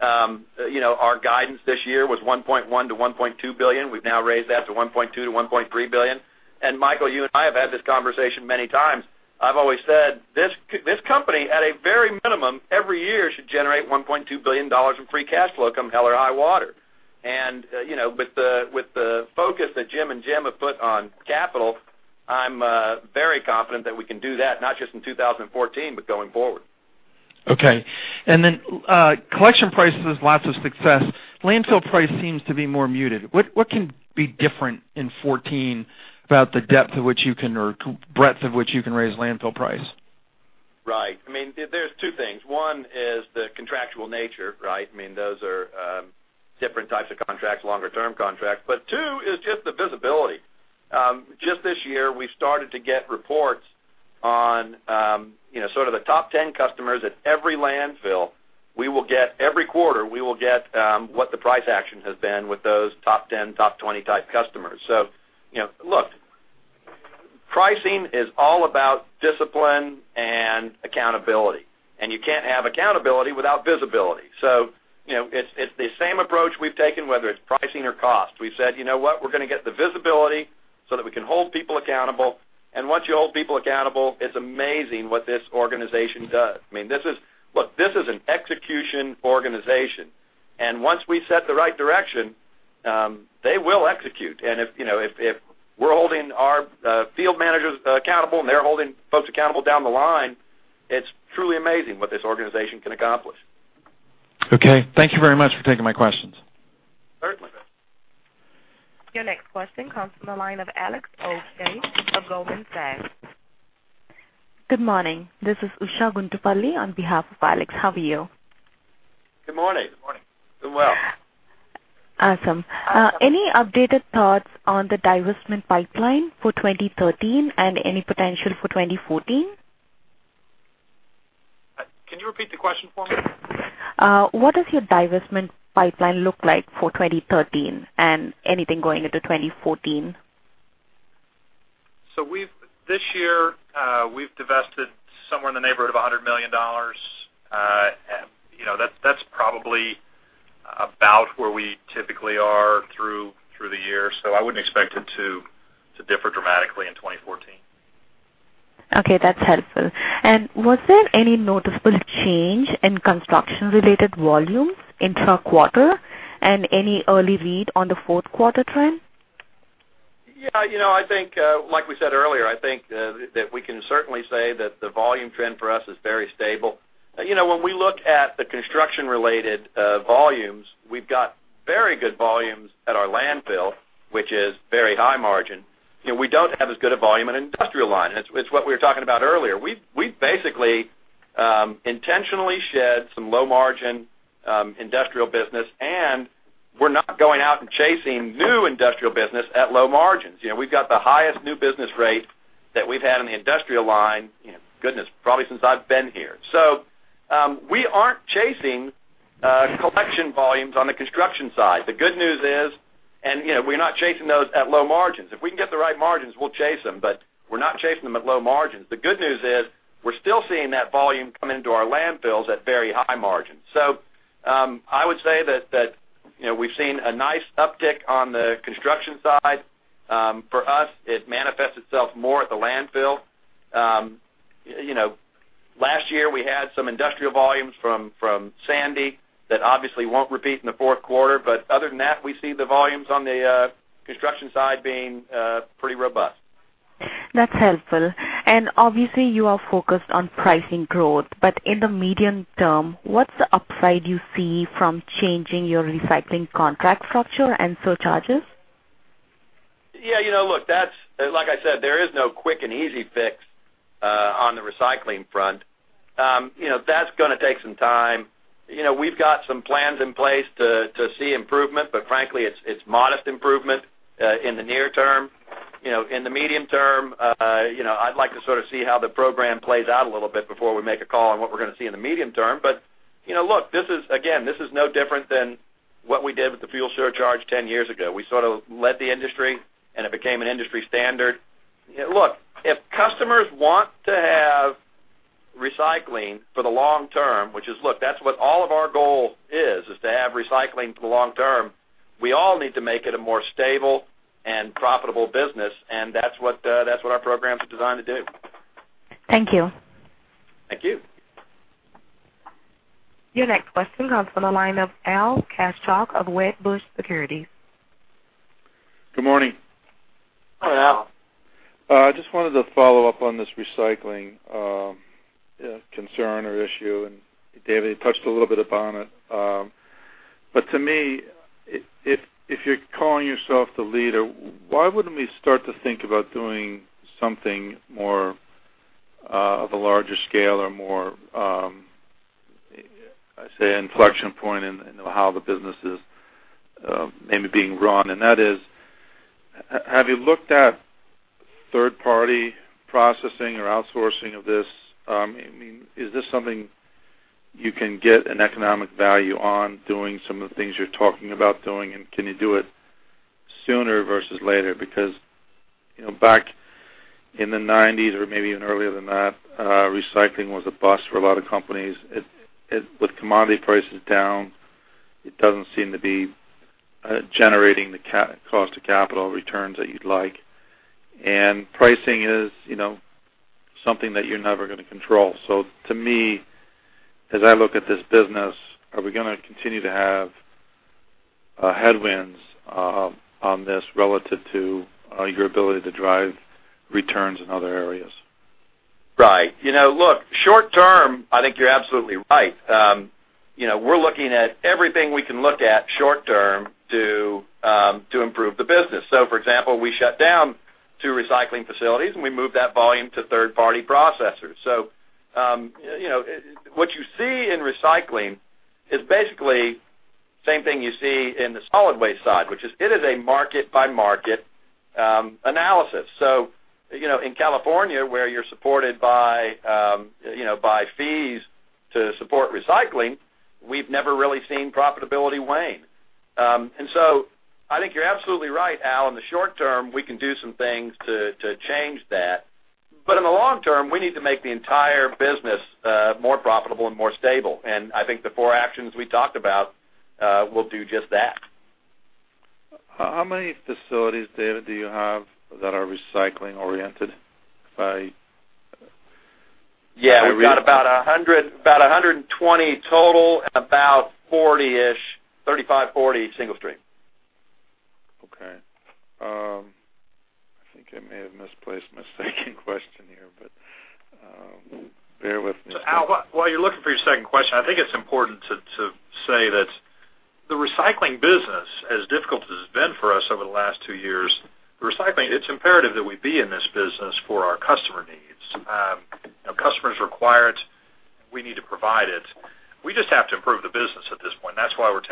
Our guidance this year was $1.1 billion-$1.2 billion. We've now raised that to $1.2 billion-$1.3 billion. Michael, you and I have had this conversation many times. I've always said this company, at a very minimum, every year should generate $1.2 billion in free cash flow, come hell or high water. With the focus that Jim and Jim have put on capital, I'm very confident that we can do that, not just in 2014, but going forward. Okay. Collection prices, lots of success. Landfill price seems to be more muted. What can be different in 2014 about the depth of which you can, or breadth of which you can raise landfill price? There's two things. One is the contractual nature, right? Those are different types of contracts, longer term contracts. Two is just the visibility. Just this year, we've started to get reports on sort of the top 10 customers at every landfill. Every quarter, we will get what the price action has been with those top 10, top 20 type customers. Look, pricing is all about discipline and accountability. You can't have accountability without visibility. It's the same approach we've taken, whether it's pricing or cost. We've said, you know what, we're going to get the visibility so that we can hold people accountable, and once you hold people accountable, it's amazing what this organization does. Look, this is an execution organization. Once we set the right direction, they will execute. If we're holding our field managers accountable and they're holding folks accountable down the line, it's truly amazing what this organization can accomplish. Okay. Thank you very much for taking my questions. Certainly. Your next question comes from the line of Alex Ovshey of Goldman Sachs. Good morning. This is Usha Guntupalli on behalf of Alex. How are you? Good morning. Good morning. Doing well. Awesome. Any updated thoughts on the divestment pipeline for 2013 and any potential for 2014? Can you repeat the question for me? What does your divestment pipeline look like for 2013 and anything going into 2014? This year, we've divested somewhere in the neighborhood of $100 million. That's probably about where we typically are through the year. I wouldn't expect it to differ dramatically in 2014. Okay. That's helpful. Was there any noticeable change in construction-related volumes inter-quarter and any early read on the fourth quarter trend? Yeah. Like we said earlier, I think that we can certainly say that the volume trend for us is very stable. When we look at the construction-related volumes, we've got very good volumes at our landfill, which is very high margin. We don't have as good a volume in industrial line. It's what we were talking about earlier. We basically intentionally shed some low margin industrial business, and we're not going out and chasing new industrial business at low margins. We've got the highest new business rate that we've had in the industrial line, goodness, probably since I've been here. We aren't chasing collection volumes on the construction side. The good news is, we're not chasing those at low margins. If we can get the right margins, we'll chase them, but we're not chasing them at low margins. The good news is we're still seeing that volume come into our landfills at very high margins. I would say that we've seen a nice uptick on the construction side. For us, it manifests itself more at the landfill. Last year, we had some industrial volumes from Hurricane Sandy that obviously won't repeat in the fourth quarter, but other than that, we see the volumes on the construction side being pretty robust. That's helpful. Obviously you are focused on pricing growth, but in the medium term, what's the upside you see from changing your recycling contract structure and surcharges? Yeah, look, like I said, there is no quick and easy fix on the recycling front. That's going to take some time. We've got some plans in place to see improvement, but frankly, it's modest improvement in the near term. In the medium term, I'd like to sort of see how the program plays out a little bit before we make a call on what we're going to see in the medium term. Look, again, this is no different than what we did with the fuel surcharge 10 years ago. We sort of led the industry, and it became an industry standard. Look, if customers want to have recycling for the long term, which is, look, that's what all of our goal is to have recycling for the long term, we all need to make it a more stable and profitable business. That's what our programs are designed to do. Thank you. Thank you. Your next question comes from the line of Al Kaschalk of Wedbush Securities. Good morning. Hi, Al. I just wanted to follow up on this recycling concern or issue, David touched a little bit upon it. To me, if you're calling yourself the leader, why wouldn't we start to think about doing something more of a larger scale or more, I say, inflection point in how the business is maybe being run? That is, have you looked at third-party processing or outsourcing of this? Is this something you can get an economic value on doing some of the things you're talking about doing, and can you do it sooner versus later? Back in the '90s or maybe even earlier than that, recycling was a bust for a lot of companies. With commodity prices down, it doesn't seem to be generating the cost of capital returns that you'd like. Pricing is something that you're never going to control. To me, as I look at this business, are we going to continue to have headwinds on this relative to your ability to drive returns in other areas? Right. Look, short term, I think you're absolutely right. We're looking at everything we can look at short term to improve the business. For example, we shut down two recycling facilities, and we moved that volume to third-party processors. What you see in recycling is basically the same thing you see in the solid waste side, which is it is a market-by-market analysis. In California, where you're supported by fees to support recycling, we've never really seen profitability wane. I think you're absolutely right, Al. In the short term, we can do some things to change that. In the long term, we need to make the entire business more profitable and more stable. I think the four actions we talked about will do just that. How many facilities, David, do you have that are recycling oriented by- Yeah, we've got about 120 total, about 40-ish, 35, 40 single stream. Okay. I think I may have misplaced my second question here, but bear with me. Al, while you're looking for your second question, I think it's important to say that the recycling business, as difficult as it's been for us over the last 2 years, the recycling, it's imperative that we be in this business for our customer needs. Customers require it. We need to provide it. We just have to improve the business at this point. That's why we're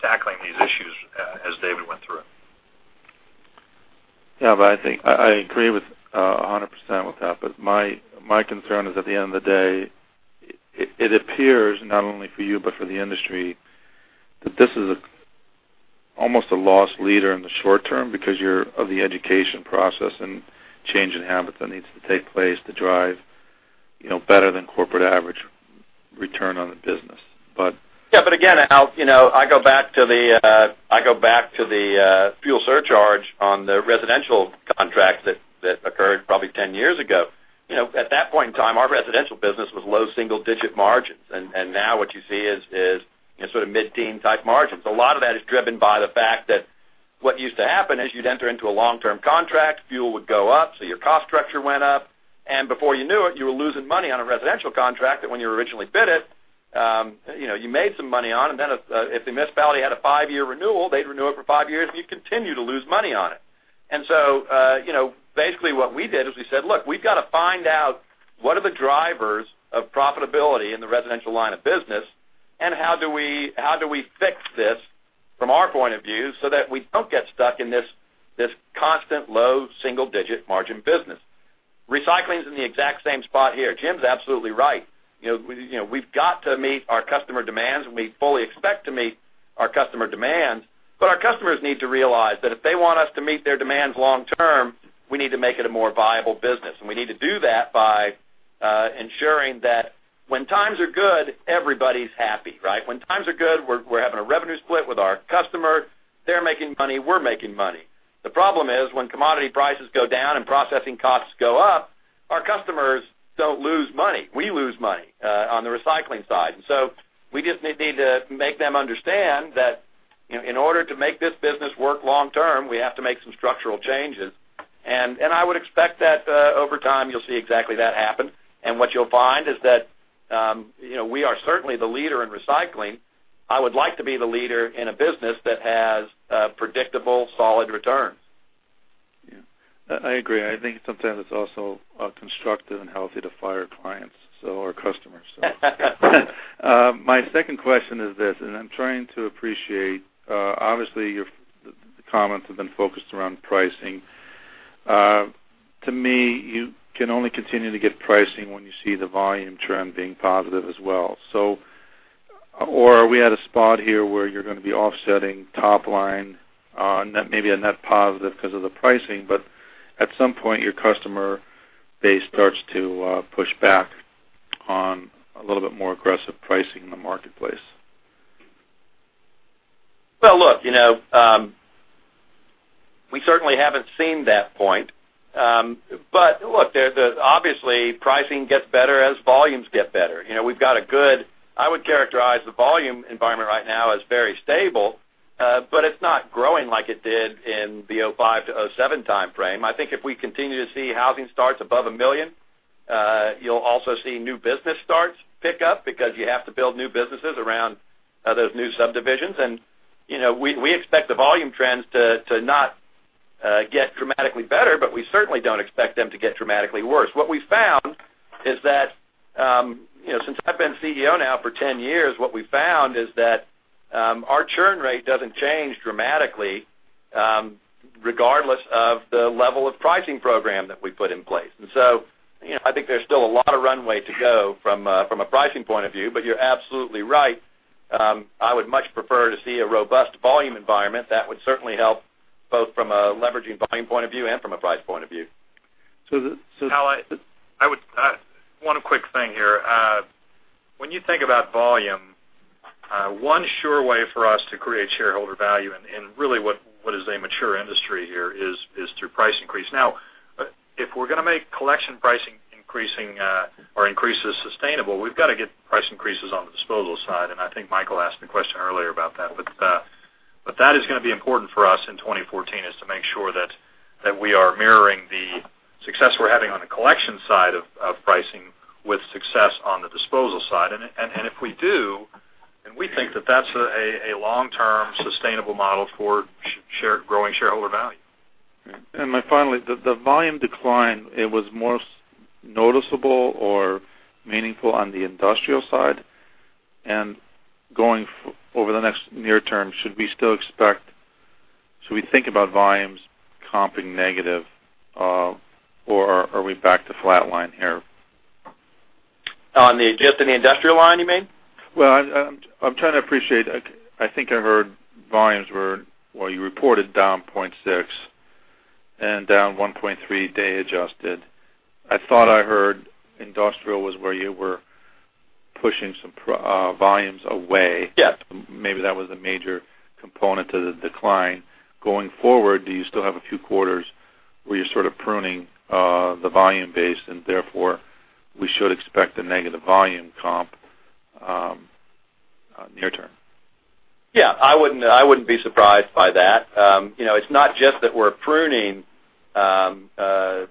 tackling these issues as David went through. Yeah, I agree 100% with that. My concern is at the end of the day, it appears not only for you but for the industry, that this is almost a loss leader in the short term because of the education process and change in habits that needs to take place to drive better than corporate average return on the business. Yeah, again, Al, I go back to the fuel surcharge on the residential contract that occurred probably 10 years ago. At that point in time, our residential business was low single-digit margins. Now what you see is sort of mid-teen type margins. A lot of that is driven by the fact that what used to happen is you'd enter into a long-term contract, fuel would go up, your cost structure went up, before you knew it, you were losing money on a residential contract that when you originally bid it, you made some money on, then if the municipality had a 5-year renewal, they'd renew it for 5 years, you'd continue to lose money on it. Basically what we did is we said, "Look, we've got to find out what are the drivers of profitability in the residential line of business, how do we fix this from our point of view so that we don't get stuck in this constant low double-digit margin business?" Recycling's in the exact same spot here. Jim's absolutely right. We've got to meet our customer demands, we fully expect to meet our customer demands, our customers need to realize that if they want us to meet their demands long term, we need to make it a more viable business. We need to do that by ensuring that when times are good, everybody's happy, right? When times are good, we're having a revenue split with our customer. They're making money, we're making money. The problem is, when commodity prices go down and processing costs go up, our customers don't lose money. We lose money on the recycling side. We just need to make them understand that in order to make this business work long term, we have to make some structural changes. I would expect that over time, you'll see exactly that happen. What you'll find is that we are certainly the leader in recycling. I would like to be the leader in a business that has predictable, solid returns. Yeah. I agree. I think sometimes it's also constructive and healthy to fire clients or customers. My second question is this. I'm trying to appreciate, obviously, your comments have been focused around pricing. To me, you can only continue to get pricing when you see the volume trend being positive as well. Are we at a spot here where you're going to be offsetting top line, maybe a net positive because of the pricing, but at some point, your customer base starts to push back on a little bit more aggressive pricing in the marketplace? Well, look, we certainly haven't seen that point. Look, obviously pricing gets better as volumes get better. I would characterize the volume environment right now as very stable, but it's not growing like it did in the 2005-2007 timeframe. I think if we continue to see housing starts above 1 million, you'll also see new business starts pick up because you have to build new businesses around those new subdivisions. We expect the volume trends to not get dramatically better, but we certainly don't expect them to get dramatically worse. What we've found is that, since I've been CEO now for 10 years, what we've found is that our churn rate doesn't change dramatically, regardless of the level of pricing program that we put in place. I think there's still a lot of runway to go from a pricing point of view, you're absolutely right. I would much prefer to see a robust volume environment. That would certainly help both from a leveraging volume point of view and from a price point of view. So the- How about, one quick thing here. When you think about volume, one sure way for us to create shareholder value in really what is a mature industry here is through price increase. If we're going to make collection pricing increasing or increases sustainable, we've got to get price increases on the disposal side, and I think Michael asked a question earlier about that. That is going to be important for us in 2014, is to make sure that we are mirroring the success we're having on the collection side of pricing with success on the disposal side. If we do, and we think that that's a long-term sustainable model for growing shareholder value. Finally, the volume decline, it was most noticeable or meaningful on the industrial side. Going over the next near term, should we still expect, should we think about volumes comping negative, or are we back to flat line here? Just in the industrial line, you mean? I'm trying to appreciate, I think I heard volumes were, you reported down 0.6 and down 1.3 day adjusted. I thought I heard industrial was where you were pushing some volumes away. Yes. Maybe that was a major component to the decline. Going forward, do you still have a few quarters where you're sort of pruning the volume base, and therefore we should expect a negative volume comp near term? I wouldn't be surprised by that. It's not just that we're pruning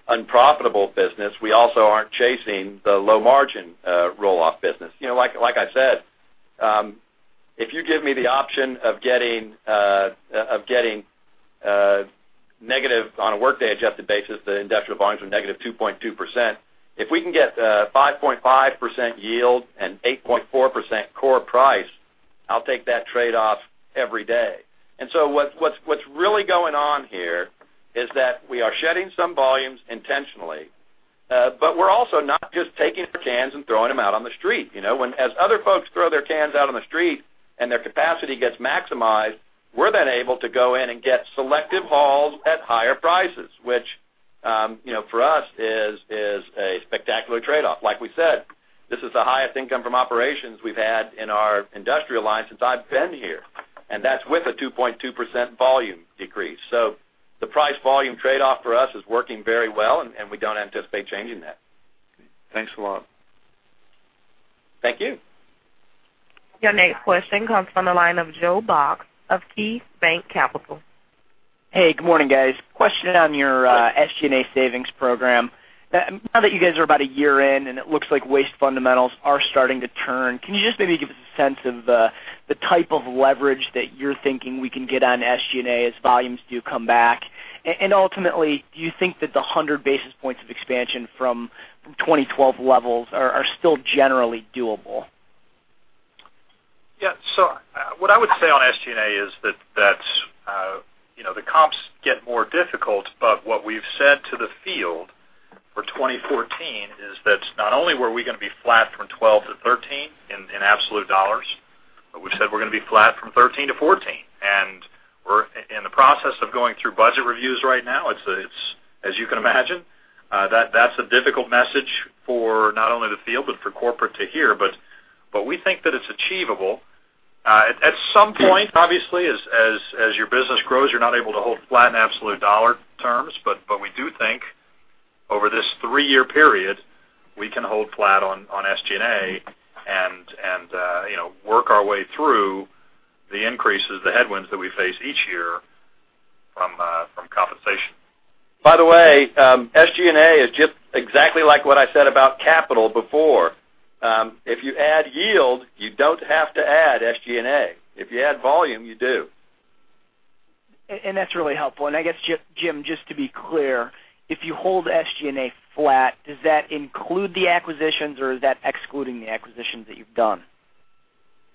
unprofitable business. We also aren't chasing the low margin roll-off business. Like I said, if you give me the option of getting negative on a workday adjusted basis, the industrial volumes were -2.2%. If we can get 5.5% yield and 8.4% core price, I'll take that trade-off every day. What's really going on here is that we are shedding some volumes intentionally, but we're also not just taking the cans and throwing them out on the street. As other folks throw their cans out on the street and their capacity gets maximized, we're then able to go in and get selective hauls at higher prices, which, for us is a spectacular trade-off. Like we said, this is the highest income from operations we've had in our industrial line since I've been here, and that's with a 2.2% volume decrease. The price-volume trade-off for us is working very well, and we don't anticipate changing that. Thanks a lot. Thank you. Your next question comes from the line of Joe Box of KeyBanc Capital. Hey, good morning, guys. Question on your SG&A savings program. Now that you guys are about a year in and it looks like waste fundamentals are starting to turn, can you just maybe give us a sense of the type of leverage that you're thinking we can get on SG&A as volumes do come back? Ultimately, do you think that the 100 basis points of expansion from 2012 levels are still generally doable? What I would say on SG&A is that the comps get more difficult, but what we've said to the field for 2014 is that not only were we going to be flat from 2012 to 2013 in absolute dollars, but we said we're going to be flat from 2013 to 2014. We're in the process of going through budget reviews right now. As you can imagine, that's a difficult message for not only the field, but for corporate to hear. We think that it's achievable. At some point, obviously, as your business grows, you're not able to hold flat in absolute dollar terms. We do think over this three-year period, we can hold flat on SG&A and work our way through the increases, the headwinds that we face each year from compensation. By the way, SG&A is just exactly like what I said about capital before. If you add yield, you don't have to add SG&A. If you add volume, you do. That's really helpful. I guess, Jim, just to be clear, if you hold SG&A flat, does that include the acquisitions, or is that excluding the acquisitions that you've done?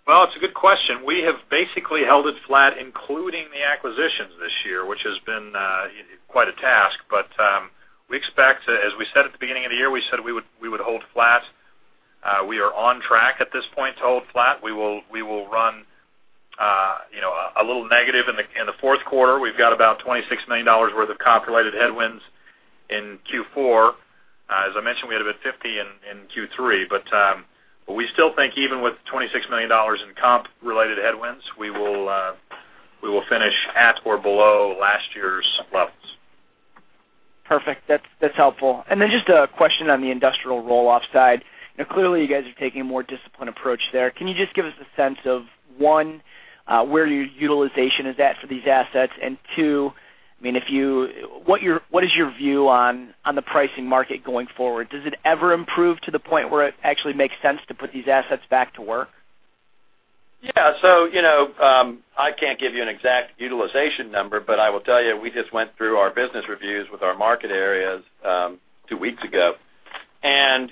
Well, it's a good question. We have basically held it flat, including the acquisitions this year, which has been quite a task. We expect, as we said at the beginning of the year, we said we would hold flat. We are on track at this point to hold flat. We will run a little negative in the fourth quarter. We've got about $26 million worth of comp-related headwinds in Q4. As I mentioned, we had about $50 million in Q3. We still think even with $26 million in comp-related headwinds, we will finish at or below last year's levels. Perfect. That's helpful. Then just a question on the industrial roll-off side. Clearly, you guys are taking a more disciplined approach there. Can you just give us a sense of, 1, where your utilization is at for these assets? And 2, what is your view on the pricing market going forward? Does it ever improve to the point where it actually makes sense to put these assets back to work? Yeah. I can't give you an exact utilization number, but I will tell you, we just went through our business reviews with our market areas 2 weeks ago.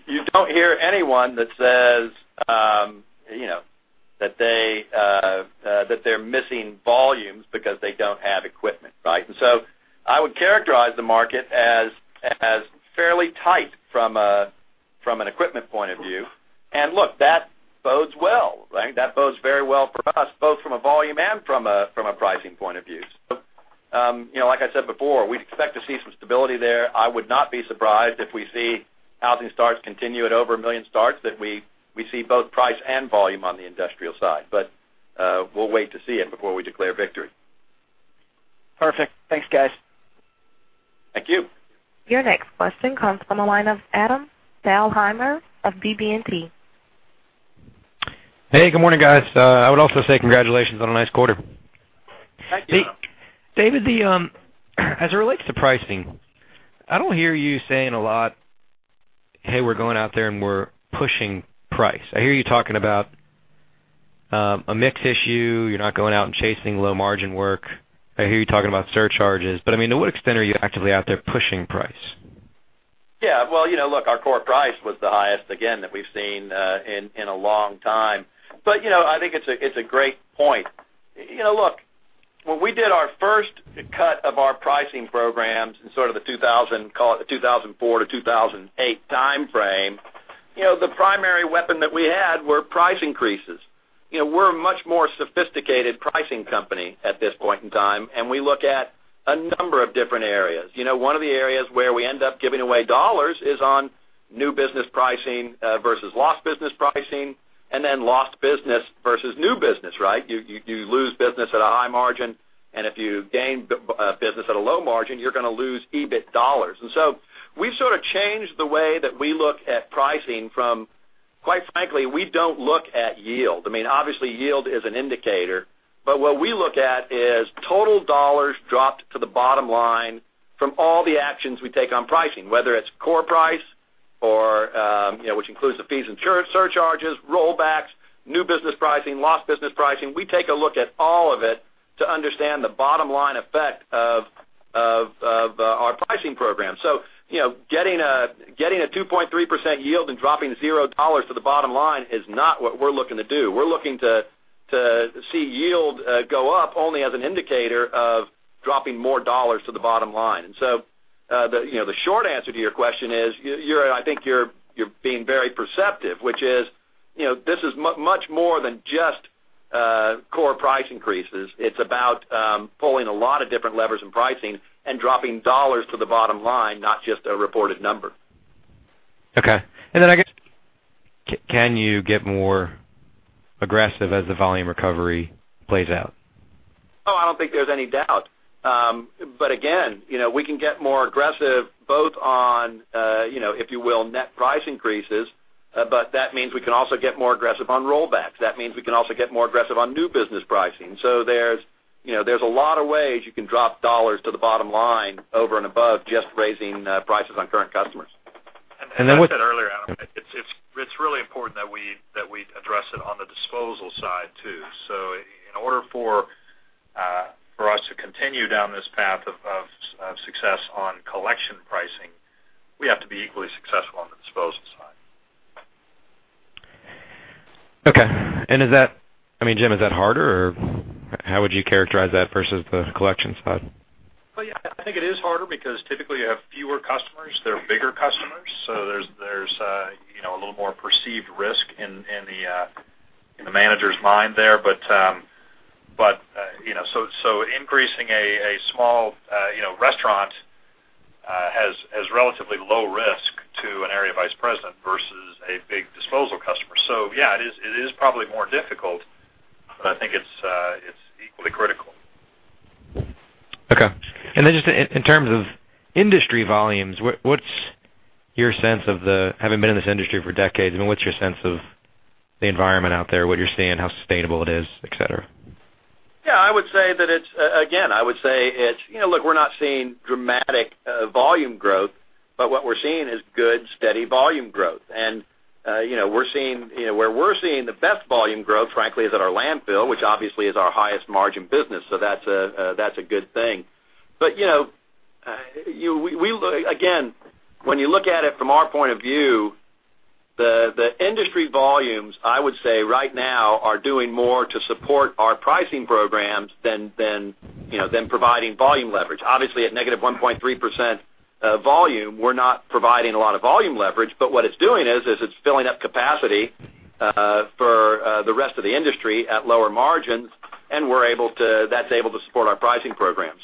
You don't hear anyone that says that they're missing volumes because they don't have equipment, right? I would characterize the market as fairly tight from an equipment point of view. Look, that bodes well, right? That bodes very well for us, both from a volume and from a pricing point of view. Like I said before, we'd expect to see some stability there. I would not be surprised if we see housing starts continue at over a million starts, that we see both price and volume on the industrial side. We'll wait to see it before we declare victory. Perfect. Thanks, guys. Thank you. Your next question comes from the line of Adam Thalhimer of BB&T. Hey, good morning, guys. I would also say congratulations on a nice quarter. Thank you. David, as it relates to pricing, I don't hear you saying a lot, "Hey, we're going out there and we're pushing price." I hear you talking about a mix issue. You're not going out and chasing low margin work. I hear you talking about surcharges, I mean, to what extent are you actively out there pushing price? Yeah. Well, look, our core price was the highest, again, that we've seen in a long time. I think it's a great point. Look, when we did our first cut of our pricing programs in sort of the 2004 to 2008 time frame, the primary weapon that we had were price increases. We're a much more sophisticated pricing company at this point in time, and we look at a number of different areas. One of the areas where we end up giving away dollars is on new business pricing versus lost business pricing, lost business versus new business, right? You lose business at a high margin, and if you gain business at a low margin, you're going to lose EBIT dollars. We've sort of changed the way that we look at pricing from, quite frankly, we don't look at yield. I mean, obviously yield is an indicator, but what we look at is total dollars dropped to the bottom line from all the actions we take on pricing, whether it's core price, which includes the fees and surcharges, rollbacks, new business pricing, lost business pricing. We take a look at all of it to understand the bottom-line effect of our pricing program. Getting a 2.3% yield and dropping $0 to the bottom line is not what we're looking to do. We're looking to see yield go up only as an indicator of dropping more dollars to the bottom line. The short answer to your question is, I think you're being very perceptive, which is this is much more than just core price increases. It's about pulling a lot of different levers in pricing and dropping dollars to the bottom line, not just a reported number. Okay. I guess, can you get more aggressive as the volume recovery plays out? I don't think there's any doubt. Again, we can get more aggressive both on, if you will, net price increases. That means we can also get more aggressive on rollbacks. That means we can also get more aggressive on new business pricing. There's a lot of ways you can drop dollars to the bottom line over and above just raising prices on current customers. As I said earlier, Adam, it's really important that we address it on the disposal side, too. In order for us to continue down this path of success on collection pricing, we have to be equally successful on the disposal side. Okay. Jim, is that harder, or how would you characterize that versus the collection side? Well, yeah, I think it is harder because typically you have fewer customers that are bigger customers, there's a little more perceived risk in the manager's mind there. Increasing a small restaurant has relatively low risk to an area vice president versus a big disposal customer. Yeah, it is probably more difficult, but I think it's equally critical. Okay. Just in terms of industry volumes, having been in this industry for decades, what's your sense of the environment out there, what you're seeing, how sustainable it is, et cetera? Again, I would say, we're not seeing dramatic volume growth. What we're seeing is good, steady volume growth. Where we're seeing the best volume growth, frankly, is at our landfill, which obviously is our highest margin business. That's a good thing. Again, when you look at it from our point of view, the industry volumes, I would say right now, are doing more to support our pricing programs than providing volume leverage. Obviously, at negative 1.3% volume, we're not providing a lot of volume leverage. What it's doing is it's filling up capacity for the rest of the industry at lower margins. That's able to support our pricing program.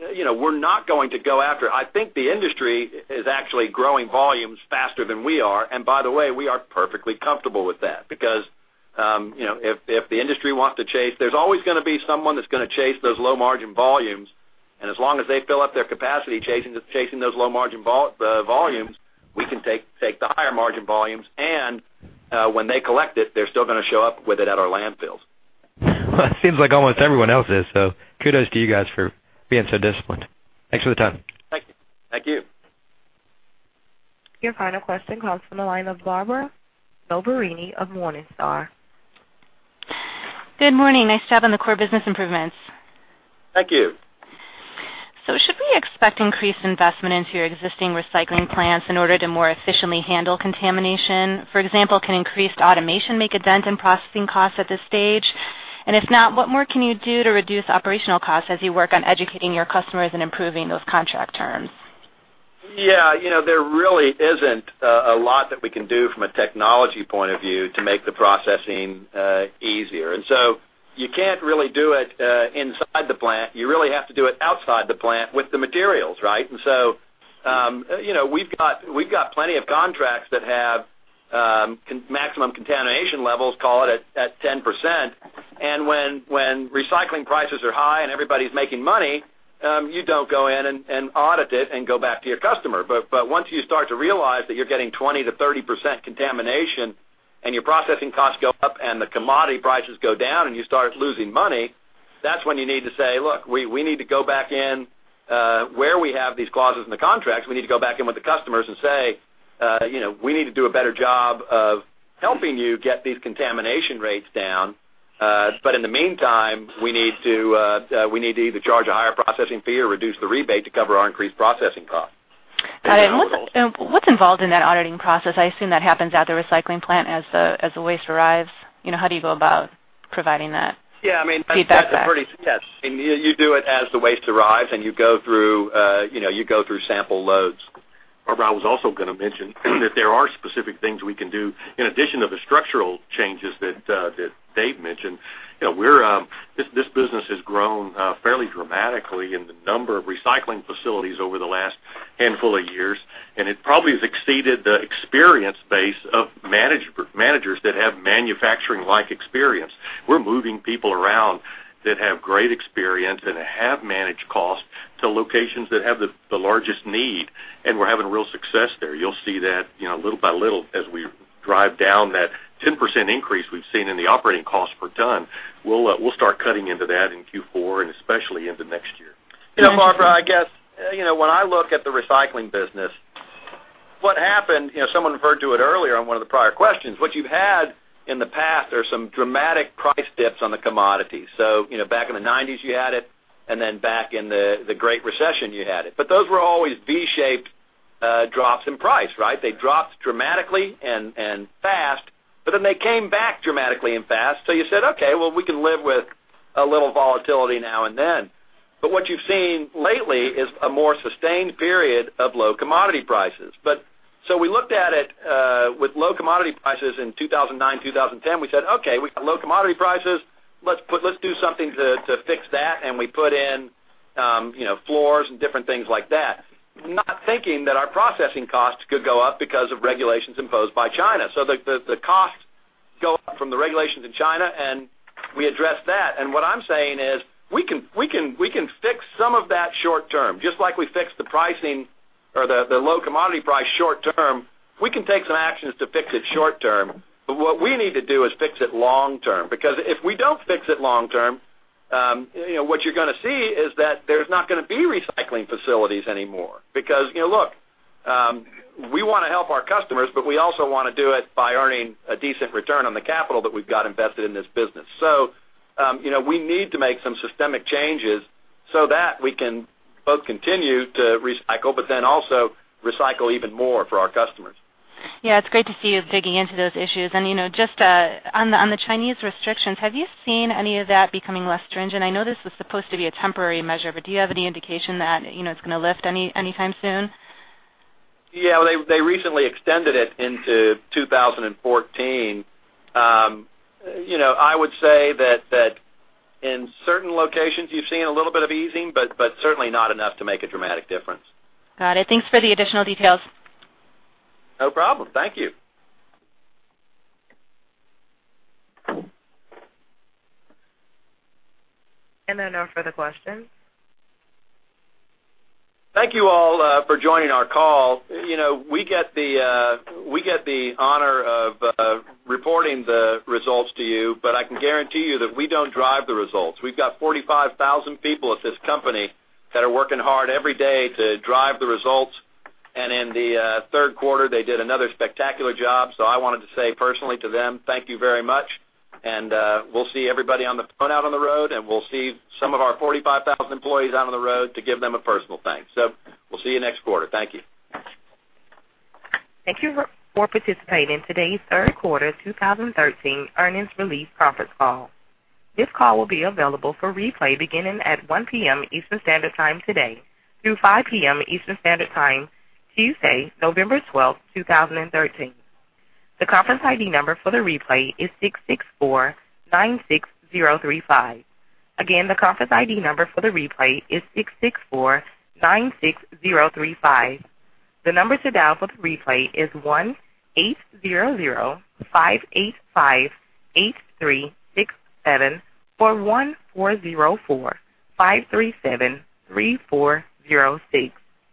We're not going to go after I think the industry is actually growing volumes faster than we are. By the way, we are perfectly comfortable with that because, if the industry wants to chase, there's always going to be someone that's going to chase those low-margin volumes. As long as they fill up their capacity chasing those low-margin volumes, we can take the higher-margin volumes. When they collect it, they're still going to show up with it at our landfills. It seems like almost everyone else is. Kudos to you guys for being so disciplined. Thanks for the time. Thank you. Your final question comes from the line of Barbara Noverini of Morningstar. Good morning. Nice job on the core business improvements. Thank you. Should we expect increased investment into your existing recycling plants in order to more efficiently handle contamination? For example, can increased automation make a dent in processing costs at this stage? If not, what more can you do to reduce operational costs as you work on educating your customers and improving those contract terms? Yeah. There really isn't a lot that we can do from a technology point of view to make the processing easier. You can't really do it inside the plant. You really have to do it outside the plant with the materials, right? We've got plenty of contracts that have maximum contamination levels, call it, at 10%. When recycling prices are high and everybody's making money, you don't go in and audit it and go back to your customer. Once you start to realize that you're getting 20%-30% contamination, and your processing costs go up and the commodity prices go down and you start losing money, that's when you need to say, "Look, we need to go back in where we have these clauses in the contracts. We need to go back in with the customers and say, 'We need to do a better job of helping you get these contamination rates down. In the meantime, we need to either charge a higher processing fee or reduce the rebate to cover our increased processing costs.' Got it. What's involved in that auditing process? I assume that happens at the recycling plant as the waste arrives. How do you go about providing that feedback back? Yeah, I mean, that's a pretty Yes. I mean, you do it as the waste arrives, and you go through sample loads. Barbara, I was also going to mention that there are specific things we can do in addition to the structural changes that Dave mentioned. This business has grown fairly dramatically in the number of recycling facilities over the last handful of years, and it probably has exceeded the experience base of managers that have manufacturing-like experience. We're moving people around that have great experience and have managed costs to locations that have the largest need, and we're having real success there. You'll see that little by little as we drive down that 10% increase we've seen in the operating cost per ton. We'll start cutting into that in Q4 and especially into next year. Barbara, I guess, when I look at the recycling business, what happened, someone referred to it earlier on one of the prior questions, what you've had in the past are some dramatic price dips on the commodities. Back in the 90s you had it, and then back in the Great Recession you had it. Those were always V-shaped drops in price, right? They dropped dramatically and fast, but then they came back dramatically and fast. You said, "Okay, well, we can live with a little volatility now and then." What you've seen lately is a more sustained period of low commodity prices. We looked at it, with low commodity prices in 2009, 2010, we said, "Okay, we've got low commodity prices. Let's do something to fix that." We put in floors and different things like that, not thinking that our processing costs could go up because of regulations imposed by China. Go up from the regulations in China, and we addressed that. What I'm saying is we can fix some of that short term, just like we fixed the pricing or the low commodity price short term. We can take some actions to fix it short term, but what we need to do is fix it long term. If we don't fix it long term, what you're going to see is that there's not going to be recycling facilities anymore. Look, we want to help our customers, but we also want to do it by earning a decent return on the capital that we've got invested in this business. We need to make some systemic changes so that we can both continue to recycle, but then also recycle even more for our customers. Yeah, it's great to see you digging into those issues. Just on the Chinese restrictions, have you seen any of that becoming less stringent? I know this was supposed to be a temporary measure, but do you have any indication that it's going to lift any time soon? Yeah, they recently extended it into 2014. I would say that in certain locations you've seen a little bit of easing, certainly not enough to make a dramatic difference. Got it. Thanks for the additional details. No problem. Thank you. There are no further questions. Thank you all for joining our call. We get the honor of reporting the results to you, but I can guarantee you that we don't drive the results. We've got 45,000 people at this company that are working hard every day to drive the results. In the third quarter, they did another spectacular job. I wanted to say personally to them, thank you very much, and we'll see everybody on the phone out on the road, and we'll see some of our 45,000 employees out on the road to give them a personal thanks. We'll see you next quarter. Thank you. Thank you for participating in today's third quarter 2013 earnings release conference call. This call will be available for replay beginning at 1:00 P.M. Eastern Standard Time today through 5:00 P.M. Eastern Standard Time, Tuesday, November 12th, 2013. The conference ID number for the replay is 66496035. Again, the conference ID number for the replay is 66496035. The number to dial for the replay is 1-800-585-8367 or 1-404-537-3406.